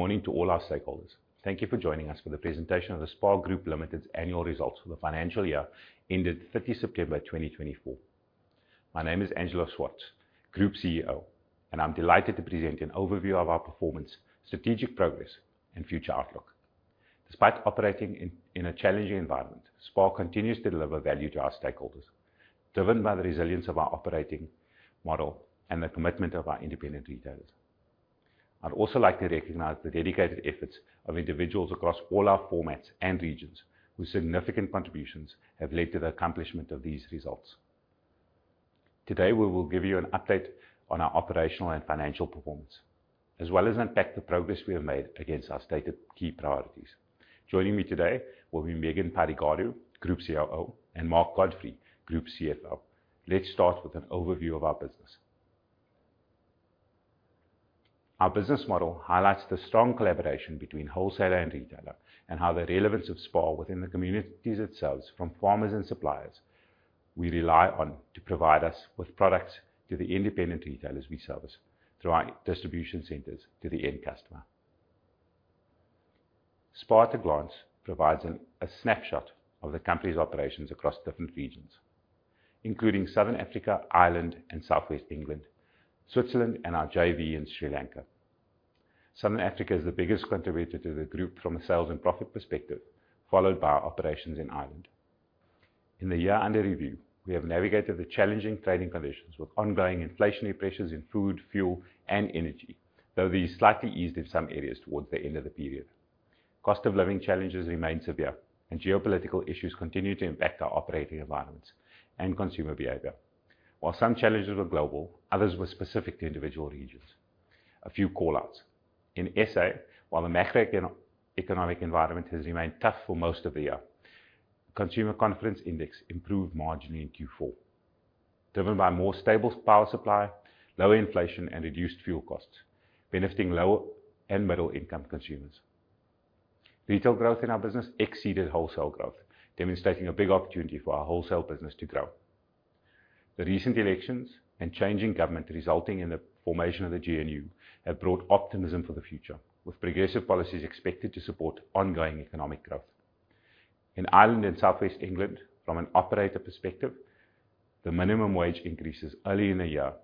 Good morning to all our stakeholders. Thank you for joining us for the presentation of the SPAR Group Limited's annual results for the financial year ended 30 September 2024. My name is Angelo Swartz, Group CEO, and I'm delighted to present an overview of our performance, strategic progress, and future outlook. Despite operating in a challenging environment, SPAR continues to deliver value to our stakeholders, driven by the resilience of our operating model and the commitment of our independent retailers. I'd also like to recognize the dedicated efforts of individuals across all our formats and regions, whose significant contributions have led to the accomplishment of these results. Today, we will give you an update on our operational and financial performance, as well as unpack the progress we have made against our stated key priorities. Joining me today will be Megan Pydigadu, Group COO, and Mark Godfrey, Group CFO. Let's start with an overview of our business. Our business model highlights the strong collaboration between wholesaler and retailer, and how the relevance of SPAR within the communities itself, from farmers and suppliers we rely on, to provide us with products to the independent retailers we service, through our distribution centers to the end customer. SPAR, at a glance, provides a snapshot of the company's operations across different regions, including Southern Africa, Ireland, and Southwest England, Switzerland, and our JV in Sri Lanka. Southern Africa is the biggest contributor to the group from a sales and profit perspective, followed by operations in Ireland. In the year under review, we have navigated the challenging trading conditions with ongoing inflationary pressures in food, fuel, and energy, though these slightly eased in some areas towards the end of the period. Cost-of-living challenges remain severe, and geopolitical issues continue to impact our operating environments and consumer behavior. While some challenges were global, others were specific to individual regions. A few call-outs: in SA, while the macroeconomic environment has remained tough for most of the year, the Consumer Confidence Index improved marginally in Q4, driven by a more stable power supply, lower inflation, and reduced fuel costs, benefiting lower and middle-income consumers. Retail growth in our business exceeded wholesale growth, demonstrating a big opportunity for our wholesale business to grow. The recent elections and changing government, resulting in the formation of the GNU, have brought optimism for the future, with progressive policies expected to support ongoing economic growth. In Ireland and Southwest England, from an operator perspective, the minimum wage increases early in the year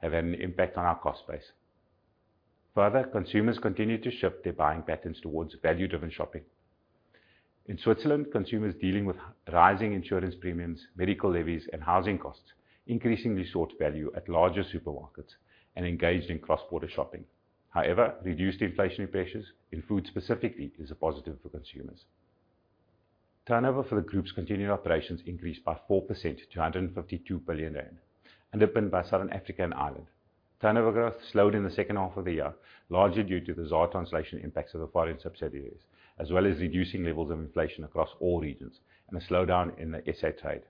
have had an impact on our cost base. Further, consumers continue to shift their buying patterns towards value-driven shopping. In Switzerland, consumers dealing with rising insurance premiums, medical levies, and housing costs increasingly sought value at larger supermarkets and engaged in cross-border shopping. However, reduced inflationary pressures in food specifically is a positive for consumers. Turnover for the group's continued operations increased by 4% to 152 billion rand, underpinned by Southern Africa and Ireland. Turnover growth slowed in the second half of the year, largely due to the ZAR translation impacts of the foreign subsidiaries, as well as reducing levels of inflation across all regions and a slowdown in the SA trade.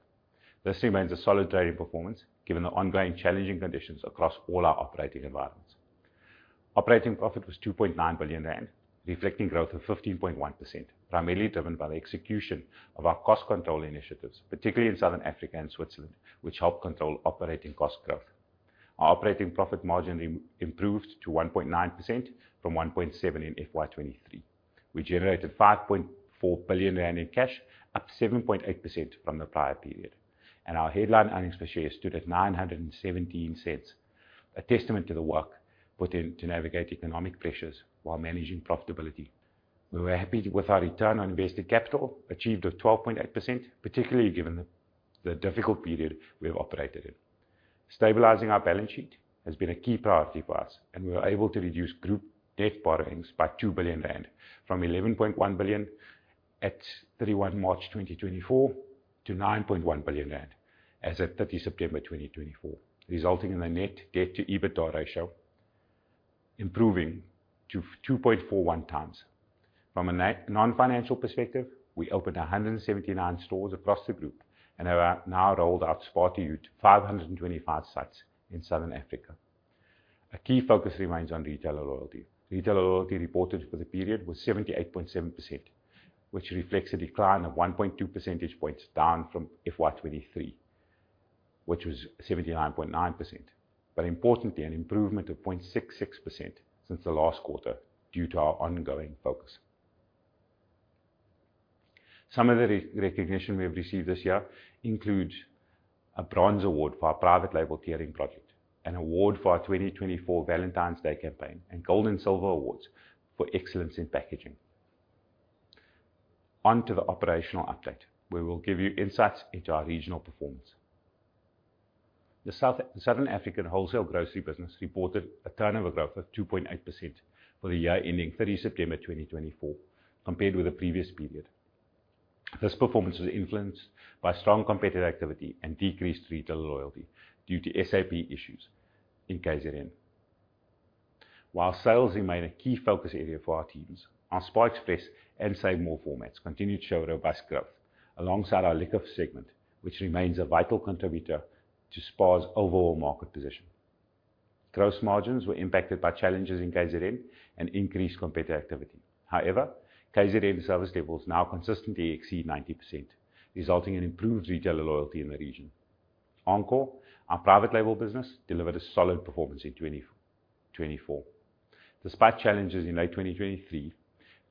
This remains a solid trading performance, given the ongoing challenging conditions across all our operating environments. Operating profit was 2.9 billion rand, reflecting growth of 15.1%, primarily driven by the execution of our cost control initiatives, particularly in Southern Africa and Switzerland, which helped control operating cost growth. Our operating profit margin improved to 1.9% from 1.7% in FY23. We generated 5.4 billion rand in cash, up 7.8% from the prior period, and our headline earnings per share stood at 917, a testament to the work put in to navigate economic pressures while managing profitability. We were happy with our return on invested capital, achieved at 12.8%, particularly given the difficult period we have operated in. Stabilizing our balance sheet has been a key priority for us, and we were able to reduce group debt borrowings by 2 billion rand, from 11.1 billion at 31 March 2024 to 9.1 billion rand as of 30th of September 2024, resulting in a net debt-to-EBITDA ratio improving to 2.41 times. From a non-financial perspective, we opened 179 stores across the group and have now rolled out SPAR to you to 525 sites in Southern Africa. A key focus remains on retailer loyalty. Retailer loyalty reported for the period was 78.7%, which reflects a decline of 1.2 percentage points down from FY23, which was 79.9%, but importantly, an improvement of 0.66% since the last quarter due to our ongoing focus. Some of the recognition we have received this year includes a Bronze Award for our private label tiering project, an award for our 2024 Valentine's Day campaign, and Golden Silver Awards for excellence in packaging. On to the operational update, where we'll give you insights into our regional performance. The Southern African wholesale grocery business reported a turnover growth of 2.8% for the year ending 30 September 2024, compared with the previous period. This performance was influenced by strong competitor activity and decreased retailer loyalty due to SAP issues in KZN. While sales remained a key focus area for our teams, our SPAR Express and SaveMor formats continue to show robust growth, alongside our liquor segment, which remains a vital contributor to SPAR's overall market position. Gross margins were impacted by challenges in KZN and increased competitor activity. However, KZN service levels now consistently exceed 90%, resulting in improved retailer loyalty in the region. Encore, our private label business, delivered a solid performance in 2024, despite challenges in late 2023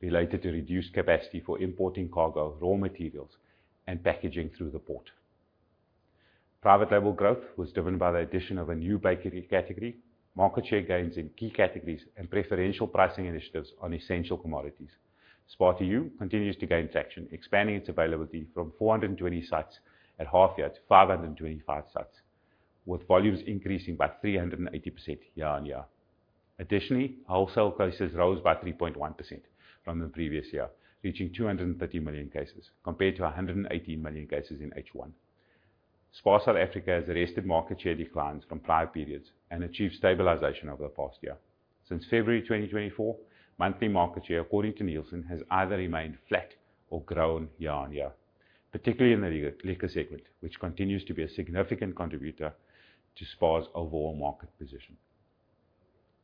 related to reduced capacity for importing cargo, raw materials, and packaging through the port. Private label growth was driven by the addition of a new bakery category, market share gains in key categories, and preferential pricing initiatives on essential commodities. SPAR to you continues to gain traction, expanding its availability from 420 sites at half-year to 525 sites, with volumes increasing by 380% year-on-year. Additionally, wholesale cases rose by 3.1% from the previous year, reaching 230 million cases, compared to 118 million cases in H1. SPAR South Africa has arrested market share declines from prior periods and achieved stabilization over the past year. Since February 2024, monthly market share, according to Nielsen, has either remained flat or grown year-on-year, particularly in the liquor segment, which continues to be a significant contributor to SPAR's overall market position.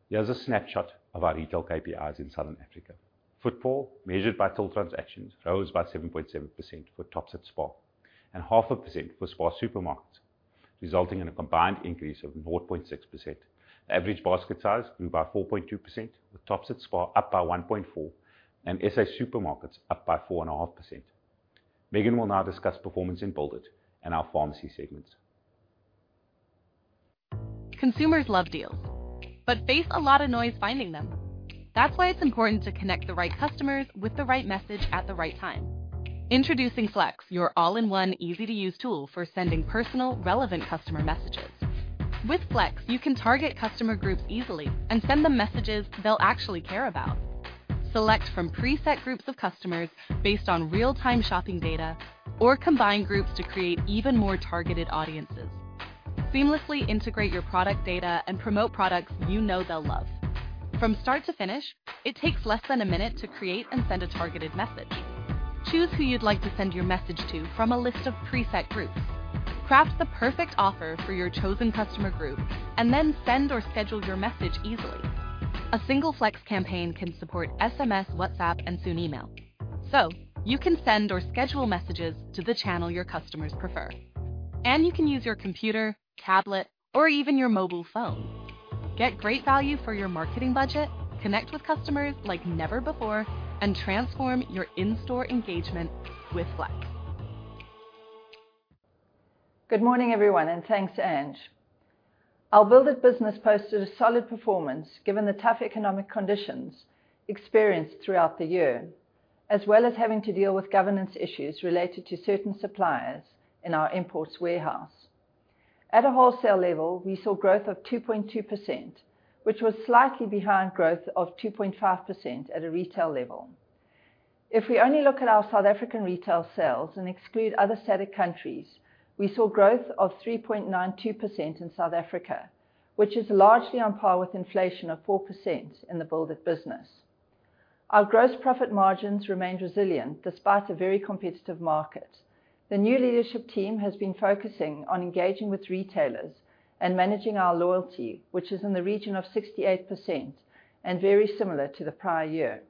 Here's a snapshot of our retail KPIs in Southern Africa. Footfall, measured by total transactions, rose by 7.7% for TOPS at SPAR and 0.5% for SPAR supermarkets, resulting in a combined increase of 0.6%. The average basket size grew by 4.2%, with TOPS at SPAR up by 1.4% and SA supermarkets up by 4.5%. Megan will now discuss performance in Build it and our pharmacy segments. Consumers love deals, but face a lot of noise finding them. That's why it's important to connect the right customers with the right message at the right time. Introducing Flex, your all-in-one, easy-to-use tool for sending personal, relevant customer messages. With Flex, you can target customer groups easily and send them messages they'll actually care about. Select from preset groups of customers based on real-time shopping data, or combine groups to create even more targeted audiences. Seamlessly integrate your product data and promote products you know they'll love. From start to finish, it takes less than a minute to create and send a targeted message. Choose who you'd like to send your message to from a list of preset groups. Craft the perfect offer for your chosen customer group and then send or schedule your message easily. A single Flex campaign can support SMS, WhatsApp, and soon email. So you can send or schedule messages to the channel your customers prefer, and you can use your computer, tablet, or even your mobile phone. Get great value for your marketing budget, connect with customers like never before, and transform your in-store engagement with Flex. Good morning, everyone, and thanks to Ange. Our Build it business posted a solid performance given the tough economic conditions experienced throughout the year, as well as having to deal with governance issues related to certain suppliers in our imports warehouse. At a wholesale level, we saw growth of 2.2%, which was slightly behind growth of 2.5% at a retail level. If we only look at our South African retail sales and exclude other side of countries, we saw growth of 3.92% in South Africa, which is largely on par with inflation of 4% in the Build it business. Our gross profit margins remained resilient despite a very competitive market. The new leadership team has been focusing on engaging with retailers and managing our loyalty, which is in the region of 68% and very similar to the prior year.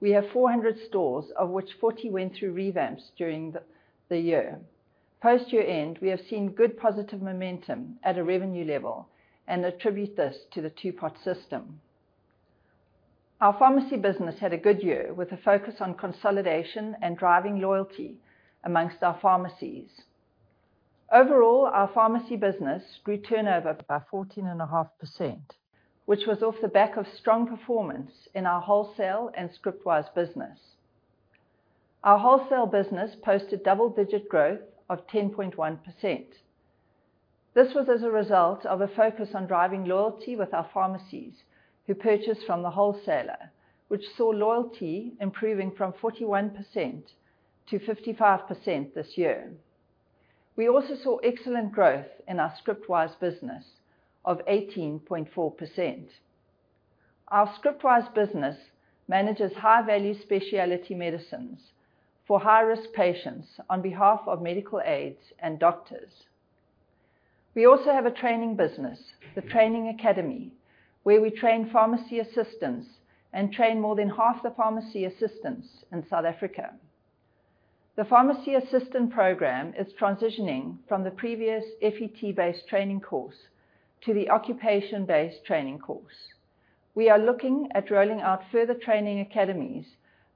We have 400 stores, of which 40 went through revamps during the year. Post-year end, we have seen good positive momentum at a revenue level and attribute this to the two-part system. Our pharmacy business had a good year with a focus on consolidation and driving loyalty among our pharmacies. Overall, our pharmacy business grew turnover by 14.5%, which was off the back of strong performance in our wholesale and Scriptwise business. Our wholesale business posted double-digit growth of 10.1%. This was as a result of a focus on driving loyalty with our pharmacies who purchase from the wholesaler, which saw loyalty improving from 41%-55% this year. We also saw excellent growth in our Scriptwise business of 18.4%. Our Scriptwise business manages high-value specialty medicines for high-risk patients on behalf of medical aids and doctors. We also have a training business, the Training Academy, where we train pharmacy assistants and train more than half the pharmacy assistants in South Africa. The pharmacy assistant program is transitioning from the previous FET-based training course to the occupation-based training course. We are looking at rolling out further training academies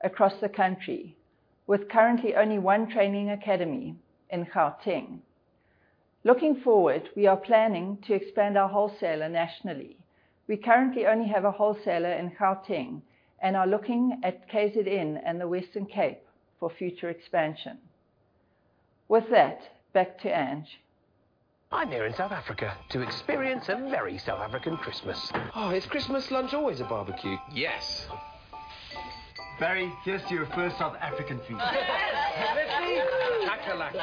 across the country, with currently only one training academy in Gauteng. Looking forward, we are planning to expand our wholesaler nationally. We currently only have a wholesaler in Gauteng and are looking at KZN and the Western Cape for future expansion. With that, back to Ange. I'm here in South Africa to experience a very South African Christmas. Oh, is Christmas lunch always a barbecue? Yes. Very. Here's to your first South African feast. Let's see. Chocolate.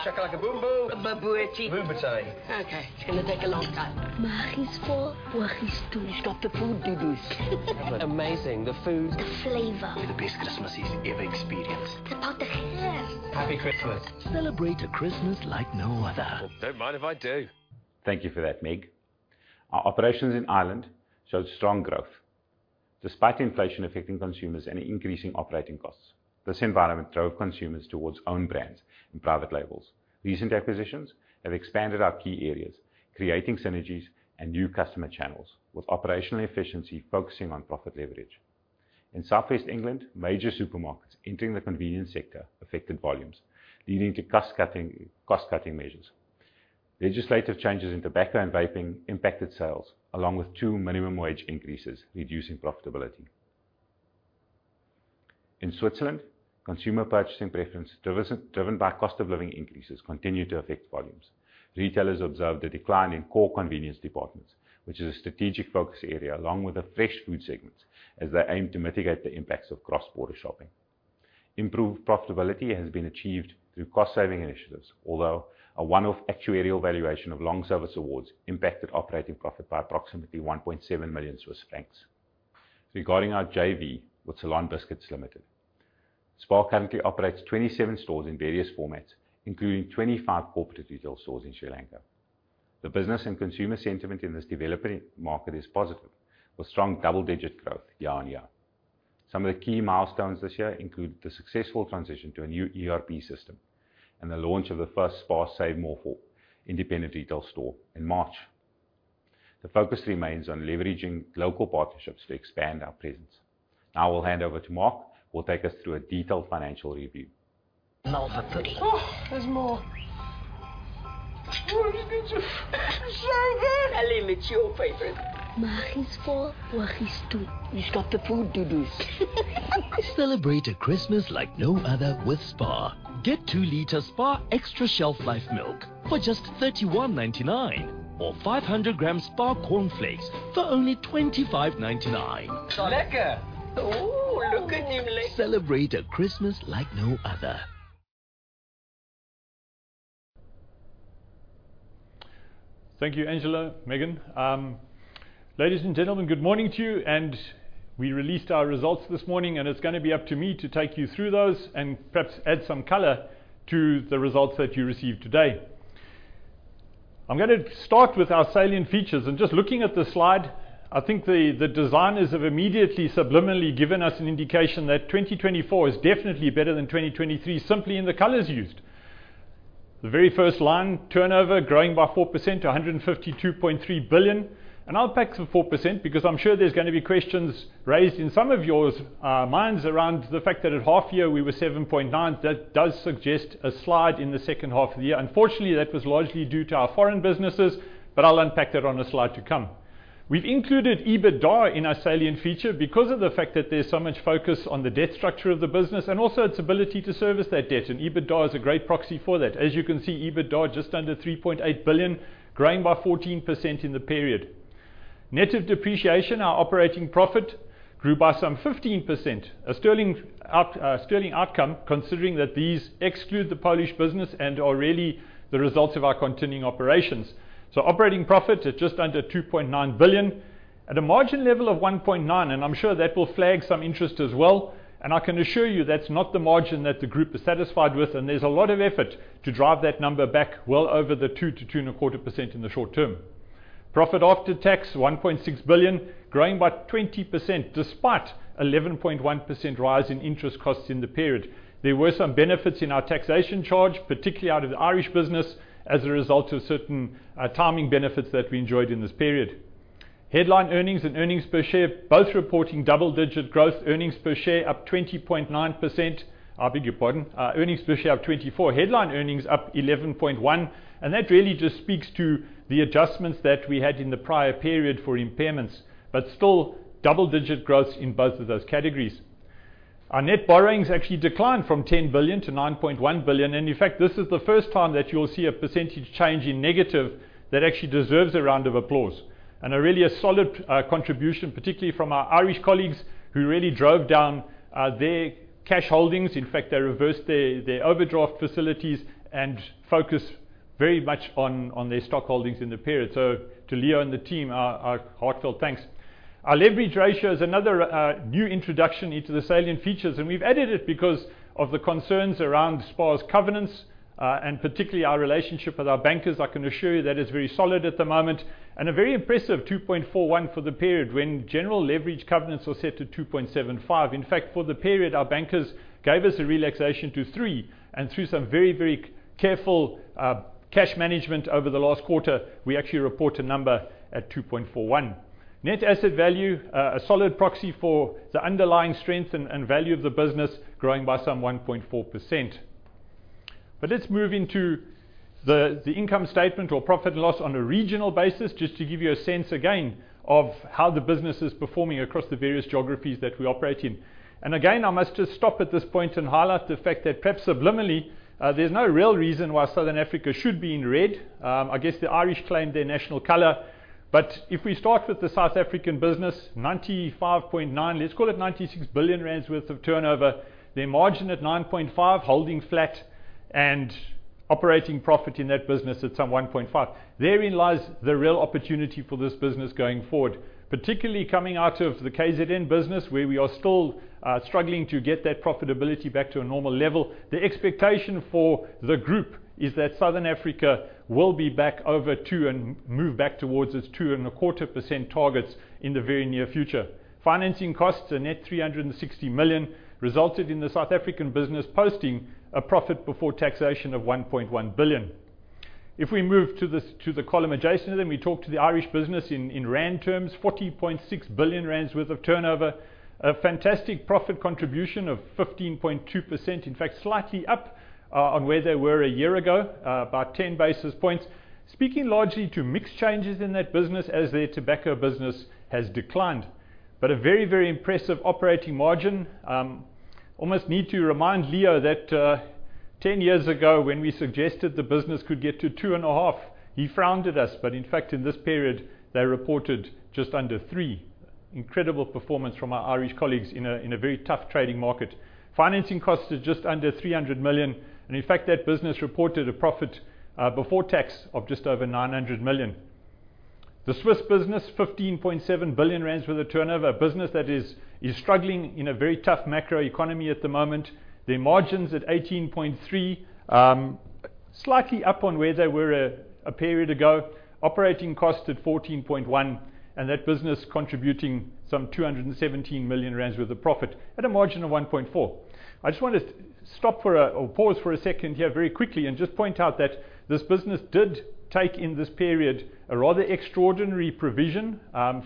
Chocolate kaboom boom. A bubuti. Bubuti. Okay. It's going to take a long time. Maisons four, bois qui se touche. It's not the food, doodies. Amazing. The food. The flavor. The best Christmas he's ever experienced. The pot of carrots. Happy Christmas. Celebrate a Christmas like no other. Don't mind if I do. Thank you for that, Meg. Our operations in Ireland showed strong growth, despite inflation affecting consumers and increasing operating costs. This environment drove consumers towards own brands and private labels. Recent acquisitions have expanded our key areas, creating synergies and new customer channels, with operational efficiency focusing on profit leverage. In Southwest England, major supermarkets entering the convenience sector affected volumes, leading to cost-cutting measures. Legislative changes in tobacco and vaping impacted sales, along with two minimum wage increases, reducing profitability. In Switzerland, consumer purchasing preferences driven by cost of living increases continue to affect volumes. Retailers observed a decline in core convenience departments, which is a strategic focus area, along with the fresh food segments, as they aim to mitigate the impacts of cross-border shopping. Improved profitability has been achieved through cost-saving initiatives, although a one-off actuarial valuation of long service awards impacted operating profit by approximately 1.7 million Swiss francs. Regarding our JV with Ceylon Biscuits Limited, SPAR currently operates 27 stores in various formats, including 25 corporate retail stores in Sri Lanka. The business and consumer sentiment in this developing market is positive, with strong double-digit growth year on year. Some of the key milestones this year included the successful transition to a new ERP system and the launch of the first SPAR SaveMor for independent retail store in March. The focus remains on leveraging local partnerships to expand our presence. Now I will hand over to Mark, who will take us through a detailed financial review. More for pudding. There's more. What are you going to say then? Ellie, it's your favorite. Maisons four, bois qui se touche. It's not the food, doodies. Celebrate a Christmas like no other with SPAR. Get two liters SPAR Extra Shelf Life milk for just 31.99, or 500 grams SPAR cornflakes for only 25.99. Lecker. Oh, look at him. Celebrate a Christmas like no other. Thank you, Angelo, Megan. Ladies and gentlemen, good morning to you. We released our results this morning, and it's going to be up to me to take you through those and perhaps add some color to the results that you receive today. I'm going to start with our salient features. Just looking at the slide, I think the designers have immediately subliminally given us an indication that 2024 is definitely better than 2023, simply in the colors used. The very first line, turnover, growing by 4% to 152.3 billion, another package of 4%, because I'm sure there's going to be questions raised in some of your minds around the fact that at half year we were 7.9%. That does suggest a slide in the second half of the year. Unfortunately, that was largely due to our foreign businesses, but I'll unpack that on a slide to come. We've included EBITDA in our salient feature because of the fact that there's so much focus on the debt structure of the business and also its ability to service that debt. And EBITDA is a great proxy for that. As you can see, EBITDA just under 3.8 billion, growing by 14% in the period. Net of depreciation, our operating profit grew by some 15%, a sterling outcome considering that these exclude the Polish business and already the results of our continuing operations. So operating profit at just under 2.9 billion at a margin level of 1.9%. And I'm sure that will flag some interest as well. And I can assure you that's not the margin that the group is satisfied with. And there's a lot of effort to drive that number back well over the 2%-2.25% in the short term. Profit after tax 1.6 billion, growing by 20% despite an 11.1% rise in interest costs in the period. There were some benefits in our taxation charge, particularly out of the Irish business, as a result of certain timing benefits that we enjoyed in this period. Headline earnings and earnings per share, both reporting double-digit growth. Earnings per share up 20.9%. I beg your pardon. Earnings per share up 24%. Headline earnings up 11.1%. That really just speaks to the adjustments that we had in the prior period for impairments, but still double-digit growth in both of those categories. Our net borrowings actually declined from 10 billion-9.1 billion. In fact, this is the first time that you'll see a percentage change in negative that actually deserves a round of applause. A really solid contribution, particularly from our Irish colleagues who really drove down their cash holdings. In fact, they reversed their overdraft facilities and focused very much on their stock holdings in the period, so to Leo and the team, our heartfelt thanks. Our leverage ratio is another new introduction into the salient features, and we've added it because of the concerns around SPAR's covenants and particularly our relationship with our bankers. I can assure you that it's very solid at the moment and a very impressive 2.41 for the period when general leverage covenants were set to 2.75. In fact, for the period, our bankers gave us a relaxation to 3, and through some very, very careful cash management over the last quarter, we actually report a number at 2.41. Net asset value, a solid proxy for the underlying strength and value of the business, growing by some 1.4%. But let's move into the income statement or profit and loss on a regional basis, just to give you a sense again of how the business is performing across the various geographies that we operate in. And again, I must just stop at this point and highlight the fact that perhaps subliminally, there's no real reason why Southern Africa should be in red. I guess the Irish claim their national color. But if we start with the South African business, 95.9 billion, let's call it 96 billion rand worth of turnover, their margin at 9.5%, holding flat and operating profit in that business at some 1.5 billion. Therein lies the real opportunity for this business going forward, particularly coming out of the KZN business, where we are still struggling to get that profitability back to a normal level. The expectation for the group is that Southern Africa will be back over 2% and move back towards its 2.25% targets in the very near future. Financing costs, a net 360 million, resulted in the South African business posting a profit before taxation of 1.1 billion. If we move to the column adjacent to them, we talk to the Irish business in rand terms, 40.6 billion rand worth of turnover, a fantastic profit contribution of 15.2%. In fact, slightly up on where they were a year ago, about 10 basis points. Speaking largely to mixed changes in that business as their tobacco business has declined, but a very, very impressive operating margin. I almost need to remind Leo that 10 years ago, when we suggested the business could get to 2.5%, he frowned at us. In fact, in this period, they reported just under 3%, incredible performance from our Irish colleagues in a very tough trading market. Financing costs are just under 300 million. In fact, that business reported a profit before tax of just over 900 million. The Swiss business, 15.7 billion rand worth of turnover, a business that is struggling in a very tough macroeconomy at the moment. Their margins at 18.3%, slightly up on where they were a period ago, operating costs at 14.1%, and that business contributing some 217 million rand worth of profit at a margin of 1.4%. I just want to stop or pause for a second here very quickly and just point out that this business did take in this period a rather extraordinary provision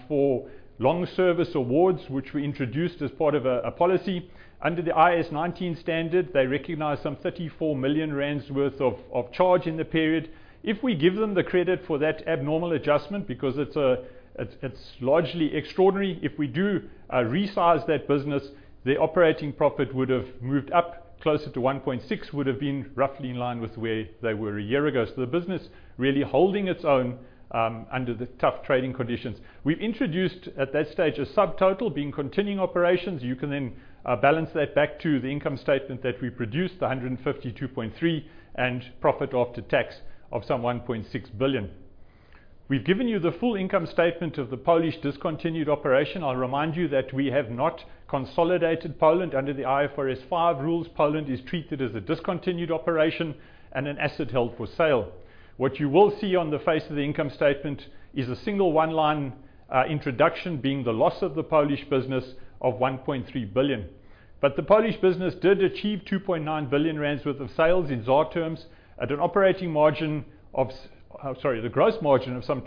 for long service awards, which we introduced as part of a policy under the IAS 19 standard. They recognized 34 million rand worth of charge in the period. If we give them the credit for that abnormal adjustment, because it's largely extraordinary, if we do resize that business, their operating profit would have moved up closer to 1.6, would have been roughly in line with where they were a year ago. So the business really holding its own under the tough trading conditions. We've introduced at that stage a subtotal being continuing operations. You can then balance that back to the income statement that we produced, the 152.3 and profit after tax of some 1.6 billion. We've given you the full income statement of the Polish discontinued operation. I'll remind you that we have not consolidated Poland under the IFRS 5 rules. Poland is treated as a discontinued operation and an asset held for sale. What you will see on the face of the income statement is a single one-line introduction being the loss of the Polish business of 1.3 billion. But the Polish business did achieve 2.9 billion rand worth of sales in SPAR terms at an operating margin of, sorry, the gross margin of some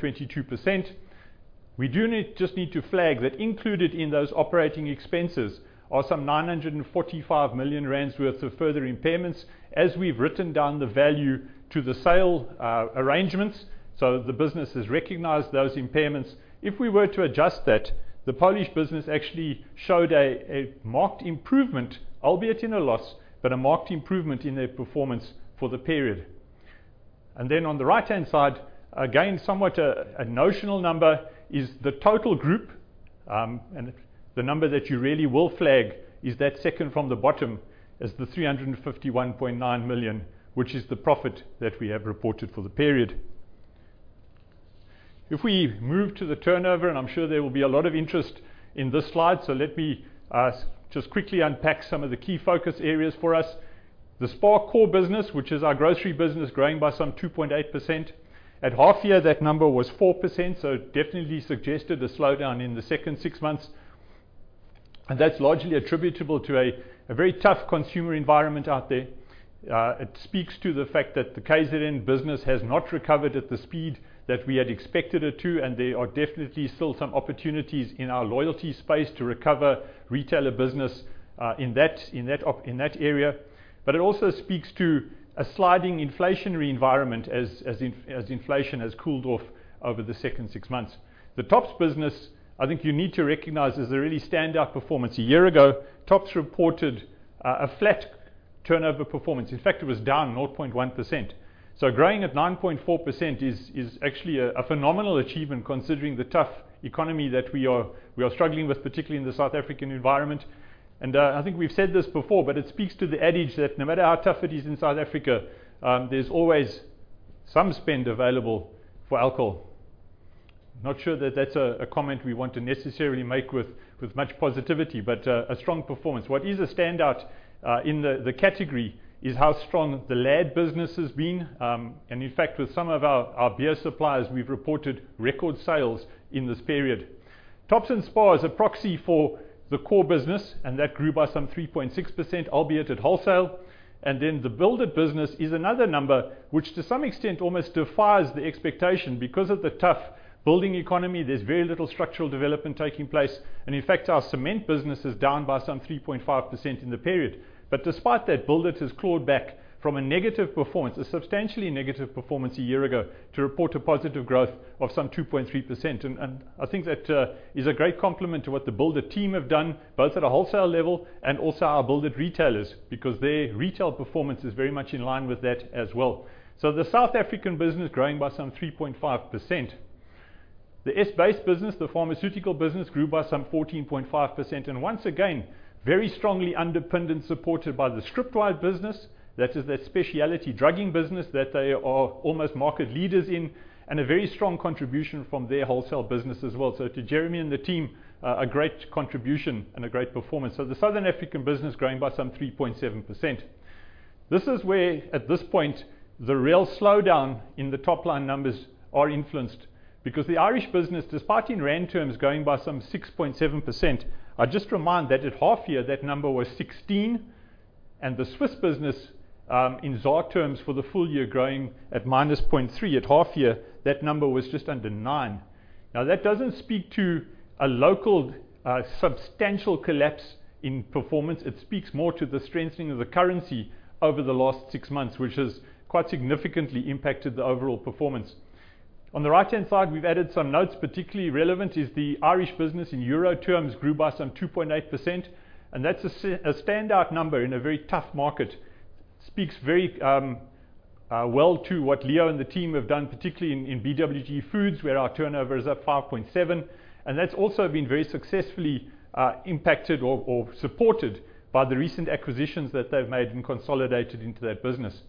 22%. We do just need to flag that included in those operating expenses are some 945 million rand worth of further impairments as we've written down the value to the sale arrangements. So the business has recognized those impairments. If we were to adjust that, the Polish business actually showed a marked improvement, albeit in a loss, but a marked improvement in their performance for the period. And then on the right-hand side, again, somewhat a notional number is the total group. The number that you really will flag is that second from the bottom is the 351.9 million, which is the profit that we have reported for the period. If we move to the turnover, and I'm sure there will be a lot of interest in this slide, so let me just quickly unpack some of the key focus areas for us. The SPAR core business, which is our grocery business, growing by some 2.8%. At half year, that number was 4%, so definitely suggested a slowdown in the second six months. That's largely attributable to a very tough consumer environment out there. It speaks to the fact that the KZN business has not recovered at the speed that we had expected it to. There are definitely still some opportunities in our loyalty space to recover retailer business in that area. But it also speaks to a sliding inflationary environment as inflation has cooled off over the second six months. The TOPS business, I think you need to recognize as a really standout performance. A year ago, TOPS reported a flat turnover performance. In fact, it was down 0.1%. So growing at 9.4% is actually a phenomenal achievement considering the tough economy that we are struggling with, particularly in the South African environment. And I think we've said this before, but it speaks to the adage that no matter how tough it is in South Africa, there's always some spend available for alcohol. Not sure that that's a comment we want to necessarily make with much positivity, but a strong performance. What is a standout in the category is how strong the LAD business has been. In fact, with some of our beer suppliers, we've reported record sales in this period. TOPS and SPAR are a proxy for the core business, and that grew by some 3.6%, albeit at wholesale. The Build It business is another number, which to some extent almost defies the expectation because of the tough building economy. There's very little structural development taking place. In fact, our cement business is down by some 3.5% in the period. Despite that, Build It has clawed back from a negative performance, a substantially negative performance a year ago to report a positive growth of some 2.3%. I think that is a great complement to what the Build It team have done, both at a wholesale level and also our Build It retailers, because their retail performance is very much in line with that as well. The South African business is growing by some 3.5%. The S-based business, the pharmaceutical business, grew by some 14.5%. And once again, very strongly underpinned and supported by the ScriptWise business, that is their specialty drugs business that they are almost market leaders in, and a very strong contribution from their wholesale business as well. So to Jeremy and the team, a great contribution and a great performance. The Southern African business is growing by some 3.7%. This is where, at this point, the real slowdown in the top line numbers are influenced because the Irish business, despite in rand terms, is growing by some 6.7%. I just remind that at half year, that number was 16%. And the Swiss business, in ZAR terms, for the full year, is growing at minus 0.3%. At half year, that number was just under 9%. Now, that doesn't speak to a local substantial collapse in performance. It speaks more to the strengthening of the currency over the last six months, which has quite significantly impacted the overall performance. On the right-hand side, we've added some notes. Particularly relevant is the Irish business in euro terms grew by some 2.8%, and that's a standout number in a very tough market. It speaks very well to what Leo and the team have done, particularly in BWG Foods, where our turnover is at 5.7%. And that's also been very successfully impacted or supported by the recent acquisitions that they've made and consolidated into that business.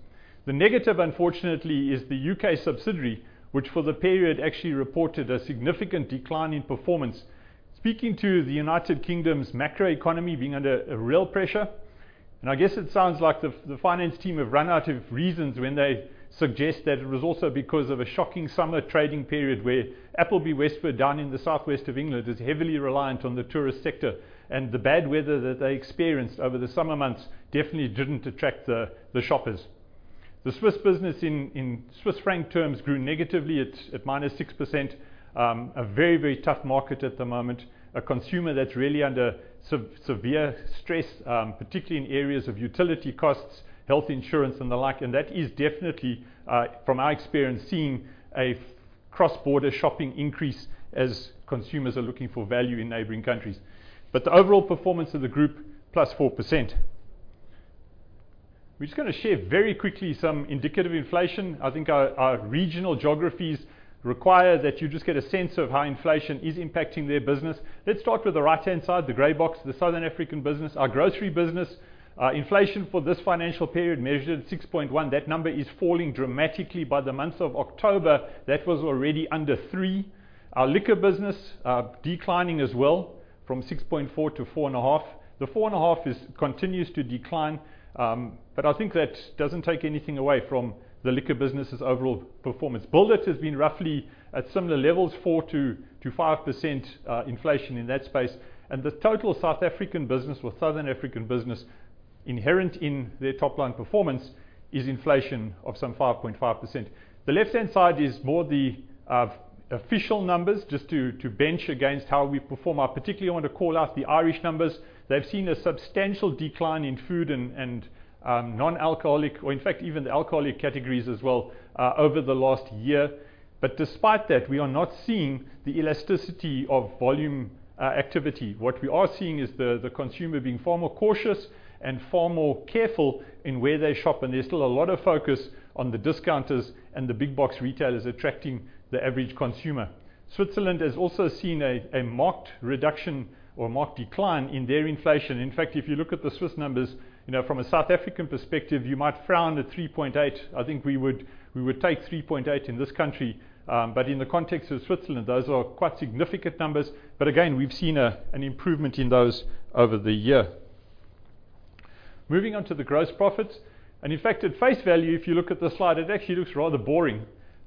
The negative, unfortunately, is the UK subsidiary, which for the period actually reported a significant decline in performance, speaking to the United Kingdom's macroeconomy being under real pressure. And I guess it sounds like the finance team have run out of reasons when they suggest that it was also because of a shocking summer trading period where Appleby Westward down in the southwest of England is heavily reliant on the tourist sector. And the bad weather that they experienced over the summer months definitely didn't attract the shoppers. The Swiss business, in CHF terms, grew negatively at -6%, a very, very tough market at the moment, a consumer that's really under severe stress, particularly in areas of utility costs, health insurance, and the like. And that is definitely, from our experience, seeing a cross-border shopping increase as consumers are looking for value in neighboring countries. But the overall performance of the group, +4%. We're just going to share very quickly some indicative inflation. I think our regional geographies require that you just get a sense of how inflation is impacting their business. Let's start with the right-hand side, the gray box, the Southern African business, our grocery business. Inflation for this financial period measured at 6.1%. That number is falling dramatically by the month of October. That was already under 3%. Our liquor business is declining as well from 6.4% to 4.5%. The 4.5% continues to decline. But I think that doesn't take anything away from the liquor business's overall performance. Build it has been roughly at similar levels, 4%-5% inflation in that space. And the total South African business with Southern African business inherent in their top line performance is inflation of some 5.5%. The left-hand side is more the official numbers just to bench against how we perform. I particularly want to call out the Irish numbers. They've seen a substantial decline in food and non-alcoholic, or in fact, even the alcoholic categories as well over the last year, but despite that, we are not seeing the elasticity of volume activity. What we are seeing is the consumer being far more cautious and far more careful in where they shop, and there's still a lot of focus on the discounters and the big box retailers attracting the average consumer. Switzerland has also seen a marked reduction or marked decline in their inflation. In fact, if you look at the Swiss numbers, from a South African perspective, you might frown at 3.8%. I think we would take 3.8% in this country, but in the context of Switzerland, those are quite significant numbers, but again, we've seen an improvement in those over the year. Moving on to the gross profits. In fact, at face value, if you look at the slide, it actually looks rather boring.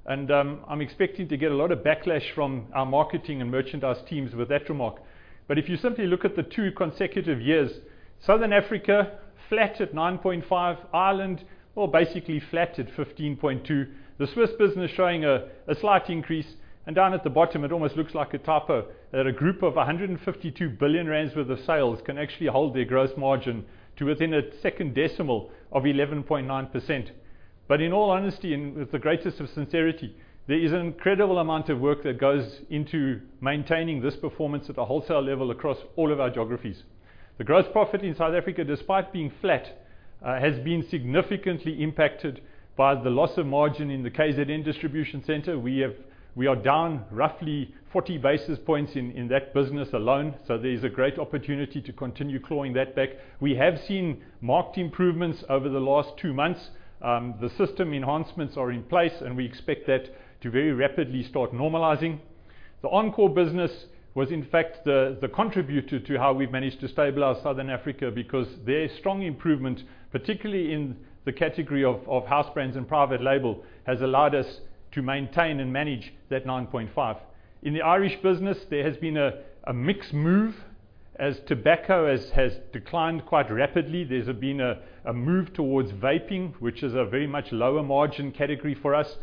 I'm expecting to get a lot of backlash from our marketing and merchandise teams with that remark. But if you simply look at the two consecutive years, Southern Africa flat at 9.5%, Ireland, well, basically flat at 15.2%. The Swiss business is showing a slight increase. And down at the bottom, it almost looks like a top of. A group of 152 billion rand worth of sales can actually hold their gross margin to within a second decimal of 11.9%. But in all honesty, and with the greatest of sincerity, there is an incredible amount of work that goes into maintaining this performance at a wholesale level across all of our geographies. The gross profit in South Africa, despite being flat, has been significantly impacted by the loss of margin in the KZN distribution center. We are down roughly 40 basis points in that business alone. There's a great opportunity to continue clawing that back. We have seen marked improvements over the last two months. The system enhancements are in place, and we expect that to very rapidly start normalizing. The core business was, in fact, the contributor to how we've managed to stabilize Southern Africa because their strong improvement, particularly in the category of house brands and private label, has allowed us to maintain and manage that 9.5. In the Irish business, there has been a mixed move as tobacco has declined quite rapidly. There's been a move towards vaping, which is a very much lower margin category for us.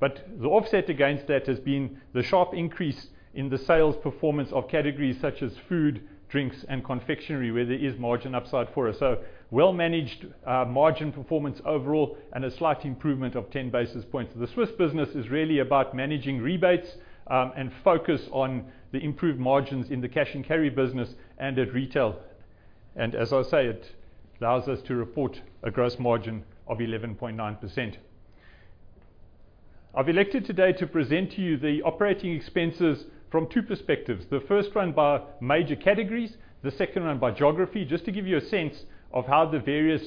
But the offset against that has been the sharp increase in the sales performance of categories such as food, drinks, and confectionery, where there is margin upside for us. So well-managed margin performance overall and a slight improvement of 10 basis points. The Swiss business is really about managing rebates and focus on the improved margins in the cash and carry business and at retail. And as I say, it allows us to report a gross margin of 11.9%. I've elected today to present to you the operating expenses from two perspectives. The first one by major categories, the second one by geography, just to give you a sense of how the various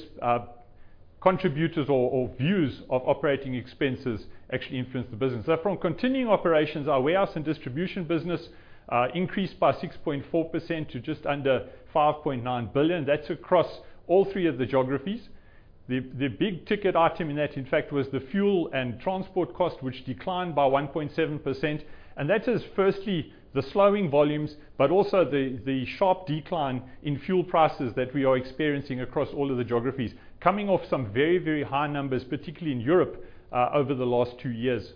contributors or views of operating expenses actually influence the business. So from continuing operations, our warehouse and distribution business increased by 6.4% to just under 5.9 billion. That's across all three of the geographies. The big ticket item in that, in fact, was the fuel and transport cost, which declined by 1.7%, and that is firstly the slowing volumes, but also the sharp decline in fuel prices that we are experiencing across all of the geographies, coming off some very, very high numbers, particularly in Europe over the last two years.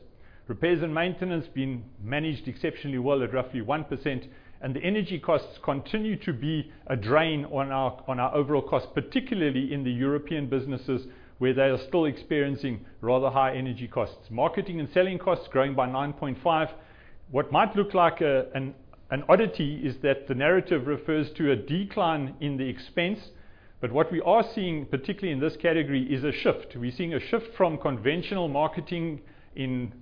Repairs and maintenance have been managed exceptionally well at roughly 1%, and the energy costs continue to be a drain on our overall costs, particularly in the European businesses, where they are still experiencing rather high energy costs. Marketing and selling costs are growing by 9.5%. What might look like an oddity is that the narrative refers to a decline in the expense, but what we are seeing, particularly in this category, is a shift. We're seeing a shift from conventional marketing in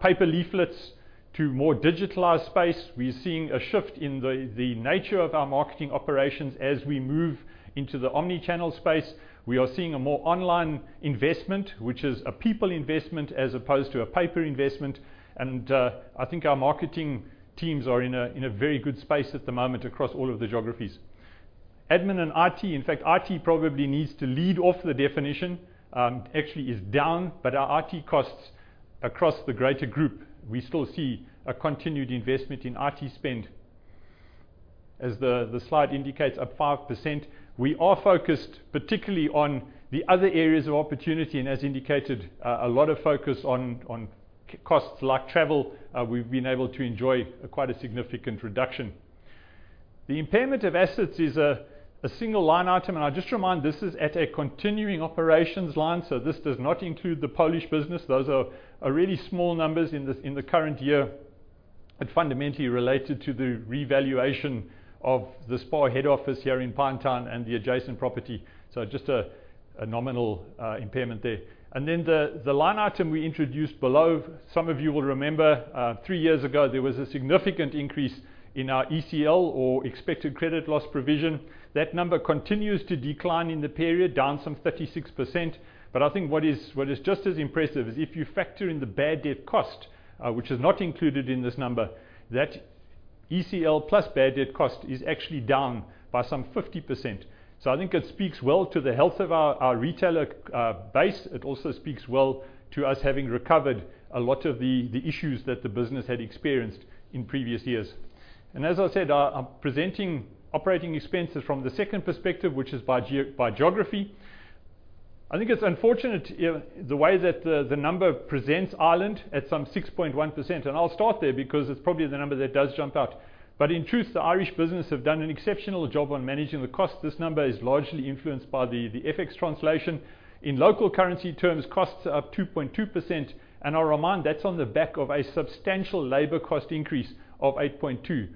paper leaflets to a more digitalized space. We're seeing a shift in the nature of our marketing operations as we move into the omnichannel space. We are seeing a more online investment, which is a people investment as opposed to a paper investment. And I think our marketing teams are in a very good space at the moment across all of the geographies. Admin and IT, in fact, IT probably needs to lead off the definition. It actually is down, but our IT costs across the greater group, we still see a continued investment in IT spend. As the slide indicates, up 5%. We are focused particularly on the other areas of opportunity and, as indicated, a lot of focus on costs like travel. We've been able to enjoy quite a significant reduction. The impairment of assets is a single line item. And I just remind this is at a continuing operations line. This does not include the Polish business. Those are really small numbers in the current year. It's fundamentally related to the revaluation of the SPAR head office here in Sandton and the adjacent property. Just a nominal impairment there. Then the line item we introduced below, some of you will remember, three years ago, there was a significant increase in our ECL, or expected credit loss provision. That number continues to decline in the period, down some 36%. I think what is just as impressive is if you factor in the bad debt cost, which is not included in this number, that ECL plus bad debt cost is actually down by some 50%. I think it speaks well to the health of our retailer base. It also speaks well to us having recovered a lot of the issues that the business had experienced in previous years. And as I said, I'm presenting operating expenses from the second perspective, which is by geography. I think it's unfortunate the way that the number presents Ireland at some 6.1%. And I'll start there because it's probably the number that does jump out. But in truth, the Irish business has done an exceptional job on managing the costs. This number is largely influenced by the FX translation. In local currency terms, costs are up 2.2%. And I'll remind that's on the back of a substantial labor cost increase of 8.2%.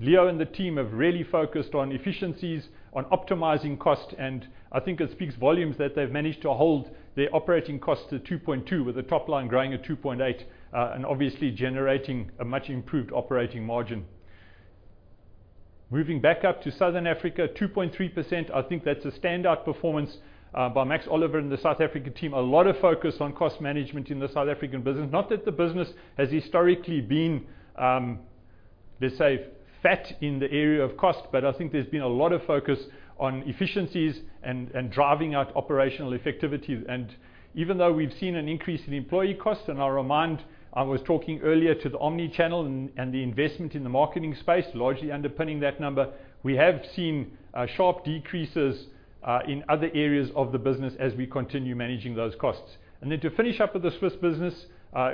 Leo and the team have really focused on efficiencies, on optimizing costs. I think it speaks volumes that they've managed to hold their operating costs to 2.2%, with the top line growing at 2.8% and obviously generating a much improved operating margin. Moving back up to Southern Africa, 2.3%. I think that's a standout performance by Max Oliver and the South African team. A lot of focus on cost management in the South African business. Not that the business has historically been, let's say, fat in the area of cost, but I think there's been a lot of focus on efficiencies and driving out operational effectivity. And even though we've seen an increase in employee costs, and I'll remind I was talking earlier to the omnichannel and the investment in the marketing space, largely underpinning that number, we have seen sharp decreases in other areas of the business as we continue managing those costs. And then to finish up with the Swiss business,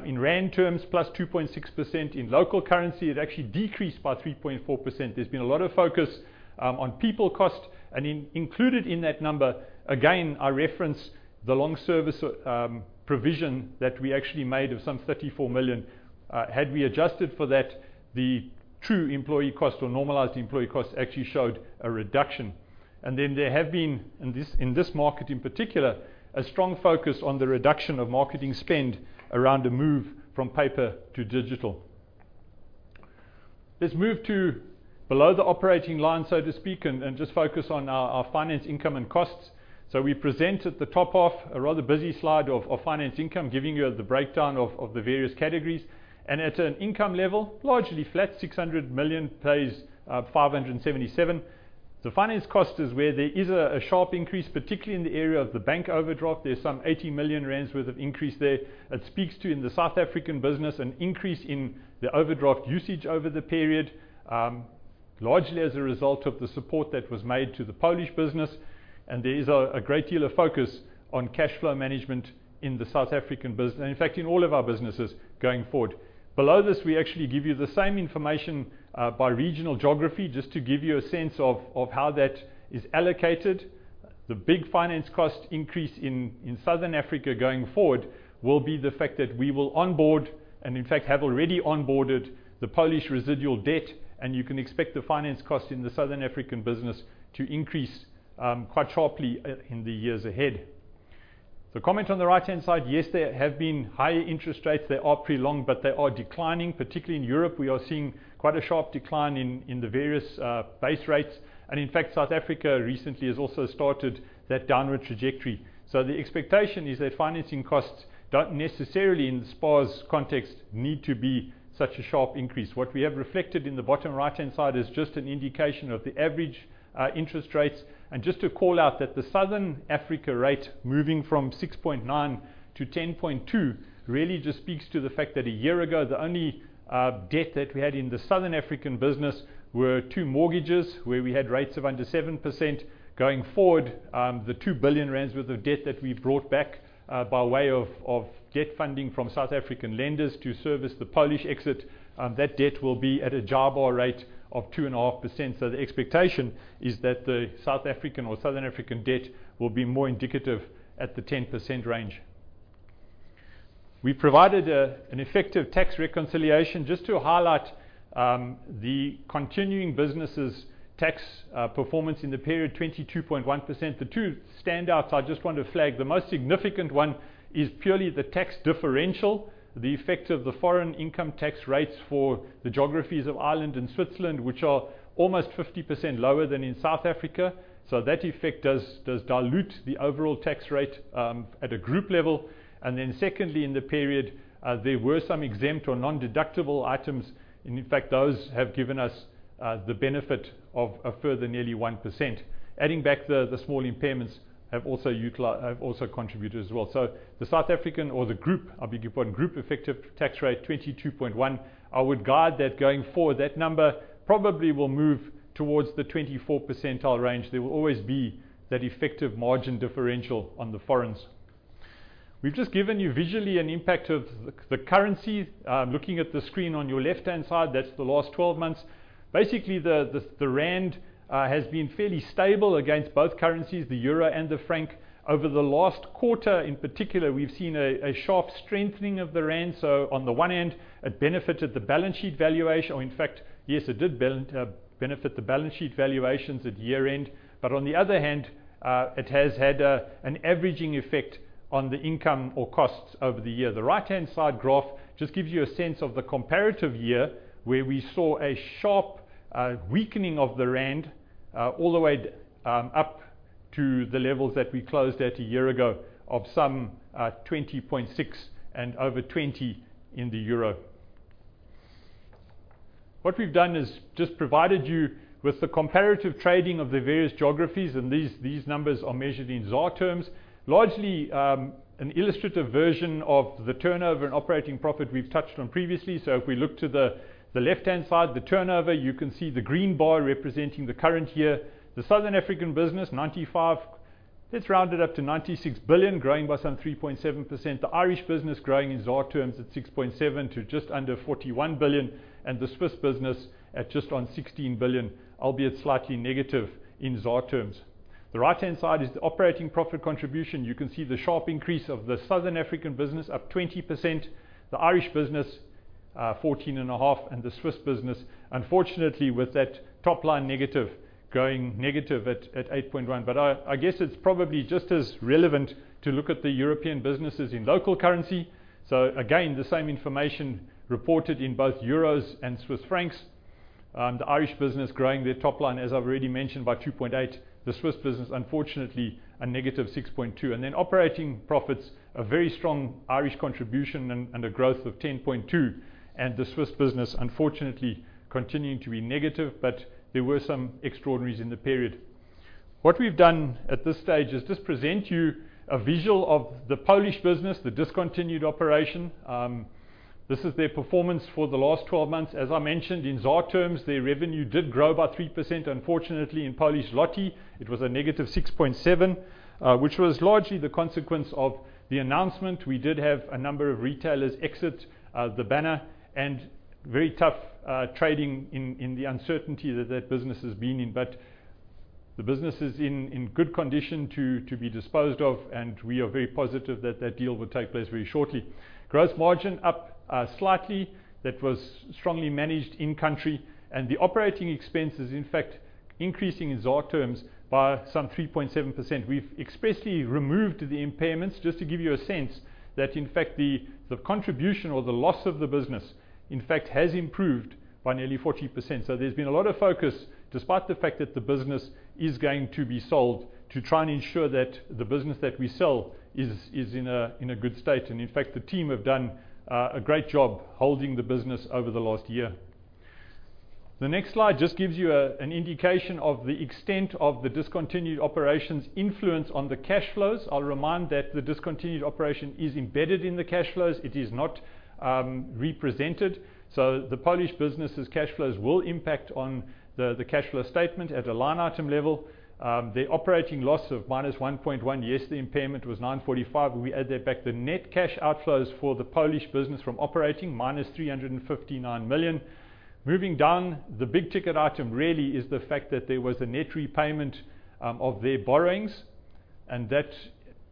in rand terms, plus 2.6% in local currency, it actually decreased by 3.4%. There's been a lot of focus on people cost. And included in that number, again, I reference the long service provision that we actually made of some 34 million. Had we adjusted for that, the true employee cost or normalized employee cost actually showed a reduction. And then there have been, in this market in particular, a strong focus on the reduction of marketing spend around a move from paper to digital. Let's move to below the operating line, so to speak, and just focus on our finance income and costs. So we presented the top half of a rather busy slide of finance income, giving you the breakdown of the various categories. And at an income level, largely flat, 600 million-577 million. The finance cost is where there is a sharp increase, particularly in the area of the bank overdraft. There's some 80 million rand worth of increase there. It speaks to, in the South African business, an increase in the overdraft usage over the period, largely as a result of the support that was made to the Polish business. And there is a great deal of focus on cash flow management in the South African business, in fact, in all of our businesses going forward. Below this, we actually give you the same information by regional geography just to give you a sense of how that is allocated. The big finance cost increase in Southern Africa going forward will be the fact that we will onboard and, in fact, have already onboarded the Polish residual debt. You can expect the finance cost in the Southern African business to increase quite sharply in the years ahead. The comment on the right-hand side, yes, there have been higher interest rates. They are prolonged, but they are declining. Particularly in Europe, we are seeing quite a sharp decline in the various base rates. In fact, South Africa recently has also started that downward trajectory. The expectation is that financing costs don't necessarily, in the SPAR's context, need to be such a sharp increase. What we have reflected in the bottom right-hand side is just an indication of the average interest rates. And just to call out that the Southern Africa rate moving from 6.9%-10.2% really just speaks to the fact that a year ago, the only debt that we had in the Southern African business were two mortgages where we had rates of under 7%. Going forward, the 2 billion rand worth of debt that we brought back by way of debt funding from South African lenders to service the Polish exit, that debt will be at a JIBAR rate of 2.5%. So the expectation is that the South African or Southern African debt will be more indicative at the 10% range. We provided an effective tax reconciliation just to highlight the continuing businesses' tax performance in the period, 22.1%. The two standouts I just want to flag, the most significant one is purely the tax differential, the effect of the foreign income tax rates for the geographies of Ireland and Switzerland, which are almost 50% lower than in South Africa. So that effect does dilute the overall tax rate at a group level. And then secondly, in the period, there were some exempt or non-deductible items. In fact, those have given us the benefit of a further nearly 1%. Adding back the small impairments have also contributed as well. So the South African or the group, I'll be keeping on group effective tax rate 22.1%. I would guide that going forward. That number probably will move towards the 24% range. There will always be that effective margin differential on the foreigns. We've just given you visually an impact of the currency. Looking at the screen on your left-hand side, that's the last 12 months. Basically, the Rand has been fairly stable against both currencies, the euro and the franc. Over the last quarter, in particular, we've seen a sharp strengthening of the Rand. So on the one hand, it benefited the balance sheet valuation. Or in fact, yes, it did benefit the balance sheet valuations at year-end. But on the other hand, it has had an averaging effect on the income or costs over the year. The right-hand side graph just gives you a sense of the comparative year where we saw a sharp weakening of the Rand all the way up to the levels that we closed at a year ago of some 20.6 and over 20 in the euro. What we've done is just provided you with the comparative trading of the various geographies. These numbers are measured in ZAR terms, largely an illustrative version of the turnover and operating profit we've touched on previously. If we look to the left-hand side, the turnover, you can see the green bar representing the current year. The Southern African business, 95, let's round it up to 96 billion, growing by some 3.7%. The Irish business growing in ZAR terms at 6.7% to just under 41 billion. The Swiss business at just under 16 billion, albeit slightly negative in ZAR terms. The right-hand side is the operating profit contribution. You can see the sharp increase of the Southern African business, up 20%. The Irish business, 14.5, and the Swiss business, unfortunately, with that top line negative, growing negative at -8.1%. I guess it's probably just as relevant to look at the European businesses in local currency. So again, the same information reported in both EUR and CHF. The Irish business growing their top line, as I've already mentioned, by 2.8%. The Swiss business, unfortunately, a negative 6.2%. And then operating profits, a very strong Irish contribution and a growth of 10.2%. And the Swiss business, unfortunately, continuing to be negative, but there were some extraordinaries in the period. What we've done at this stage is just present you a visual of the Polish business, the discontinued operation. This is their performance for the last 12 months. As I mentioned, in ZAR terms, their revenue did grow by 3%. Unfortunately, in Polish złoty, it was a negative 6.7%, which was largely the consequence of the announcement. We did have a number of retailers exit the banner and very tough trading in the uncertainty that that business has been in. But the business is in good condition to be disposed of. And we are very positive that that deal will take place very shortly. Gross margin up slightly. That was strongly managed in-country. And the operating expense is, in fact, increasing in ZAR terms by some 3.7%. We've expressly removed the impairments just to give you a sense that, in fact, the contribution or the loss of the business, in fact, has improved by nearly 40%. So there's been a lot of focus, despite the fact that the business is going to be sold, to try and ensure that the business that we sell is in a good state. And in fact, the team have done a great job holding the business over the last year. The next slide just gives you an indication of the extent of the discontinued operations' influence on the cash flows. I'll remind that the discontinued operation is embedded in the cash flows. It is not represented, so the Polish business's cash flows will impact on the cash flow statement at a line item level. The operating loss of -1.1 million. Yes, the impairment was 9.45 million. We add that back. The net cash outflows for the Polish business from operating, -359 million. Moving down, the big ticket item really is the fact that there was a net repayment of their borrowings, and that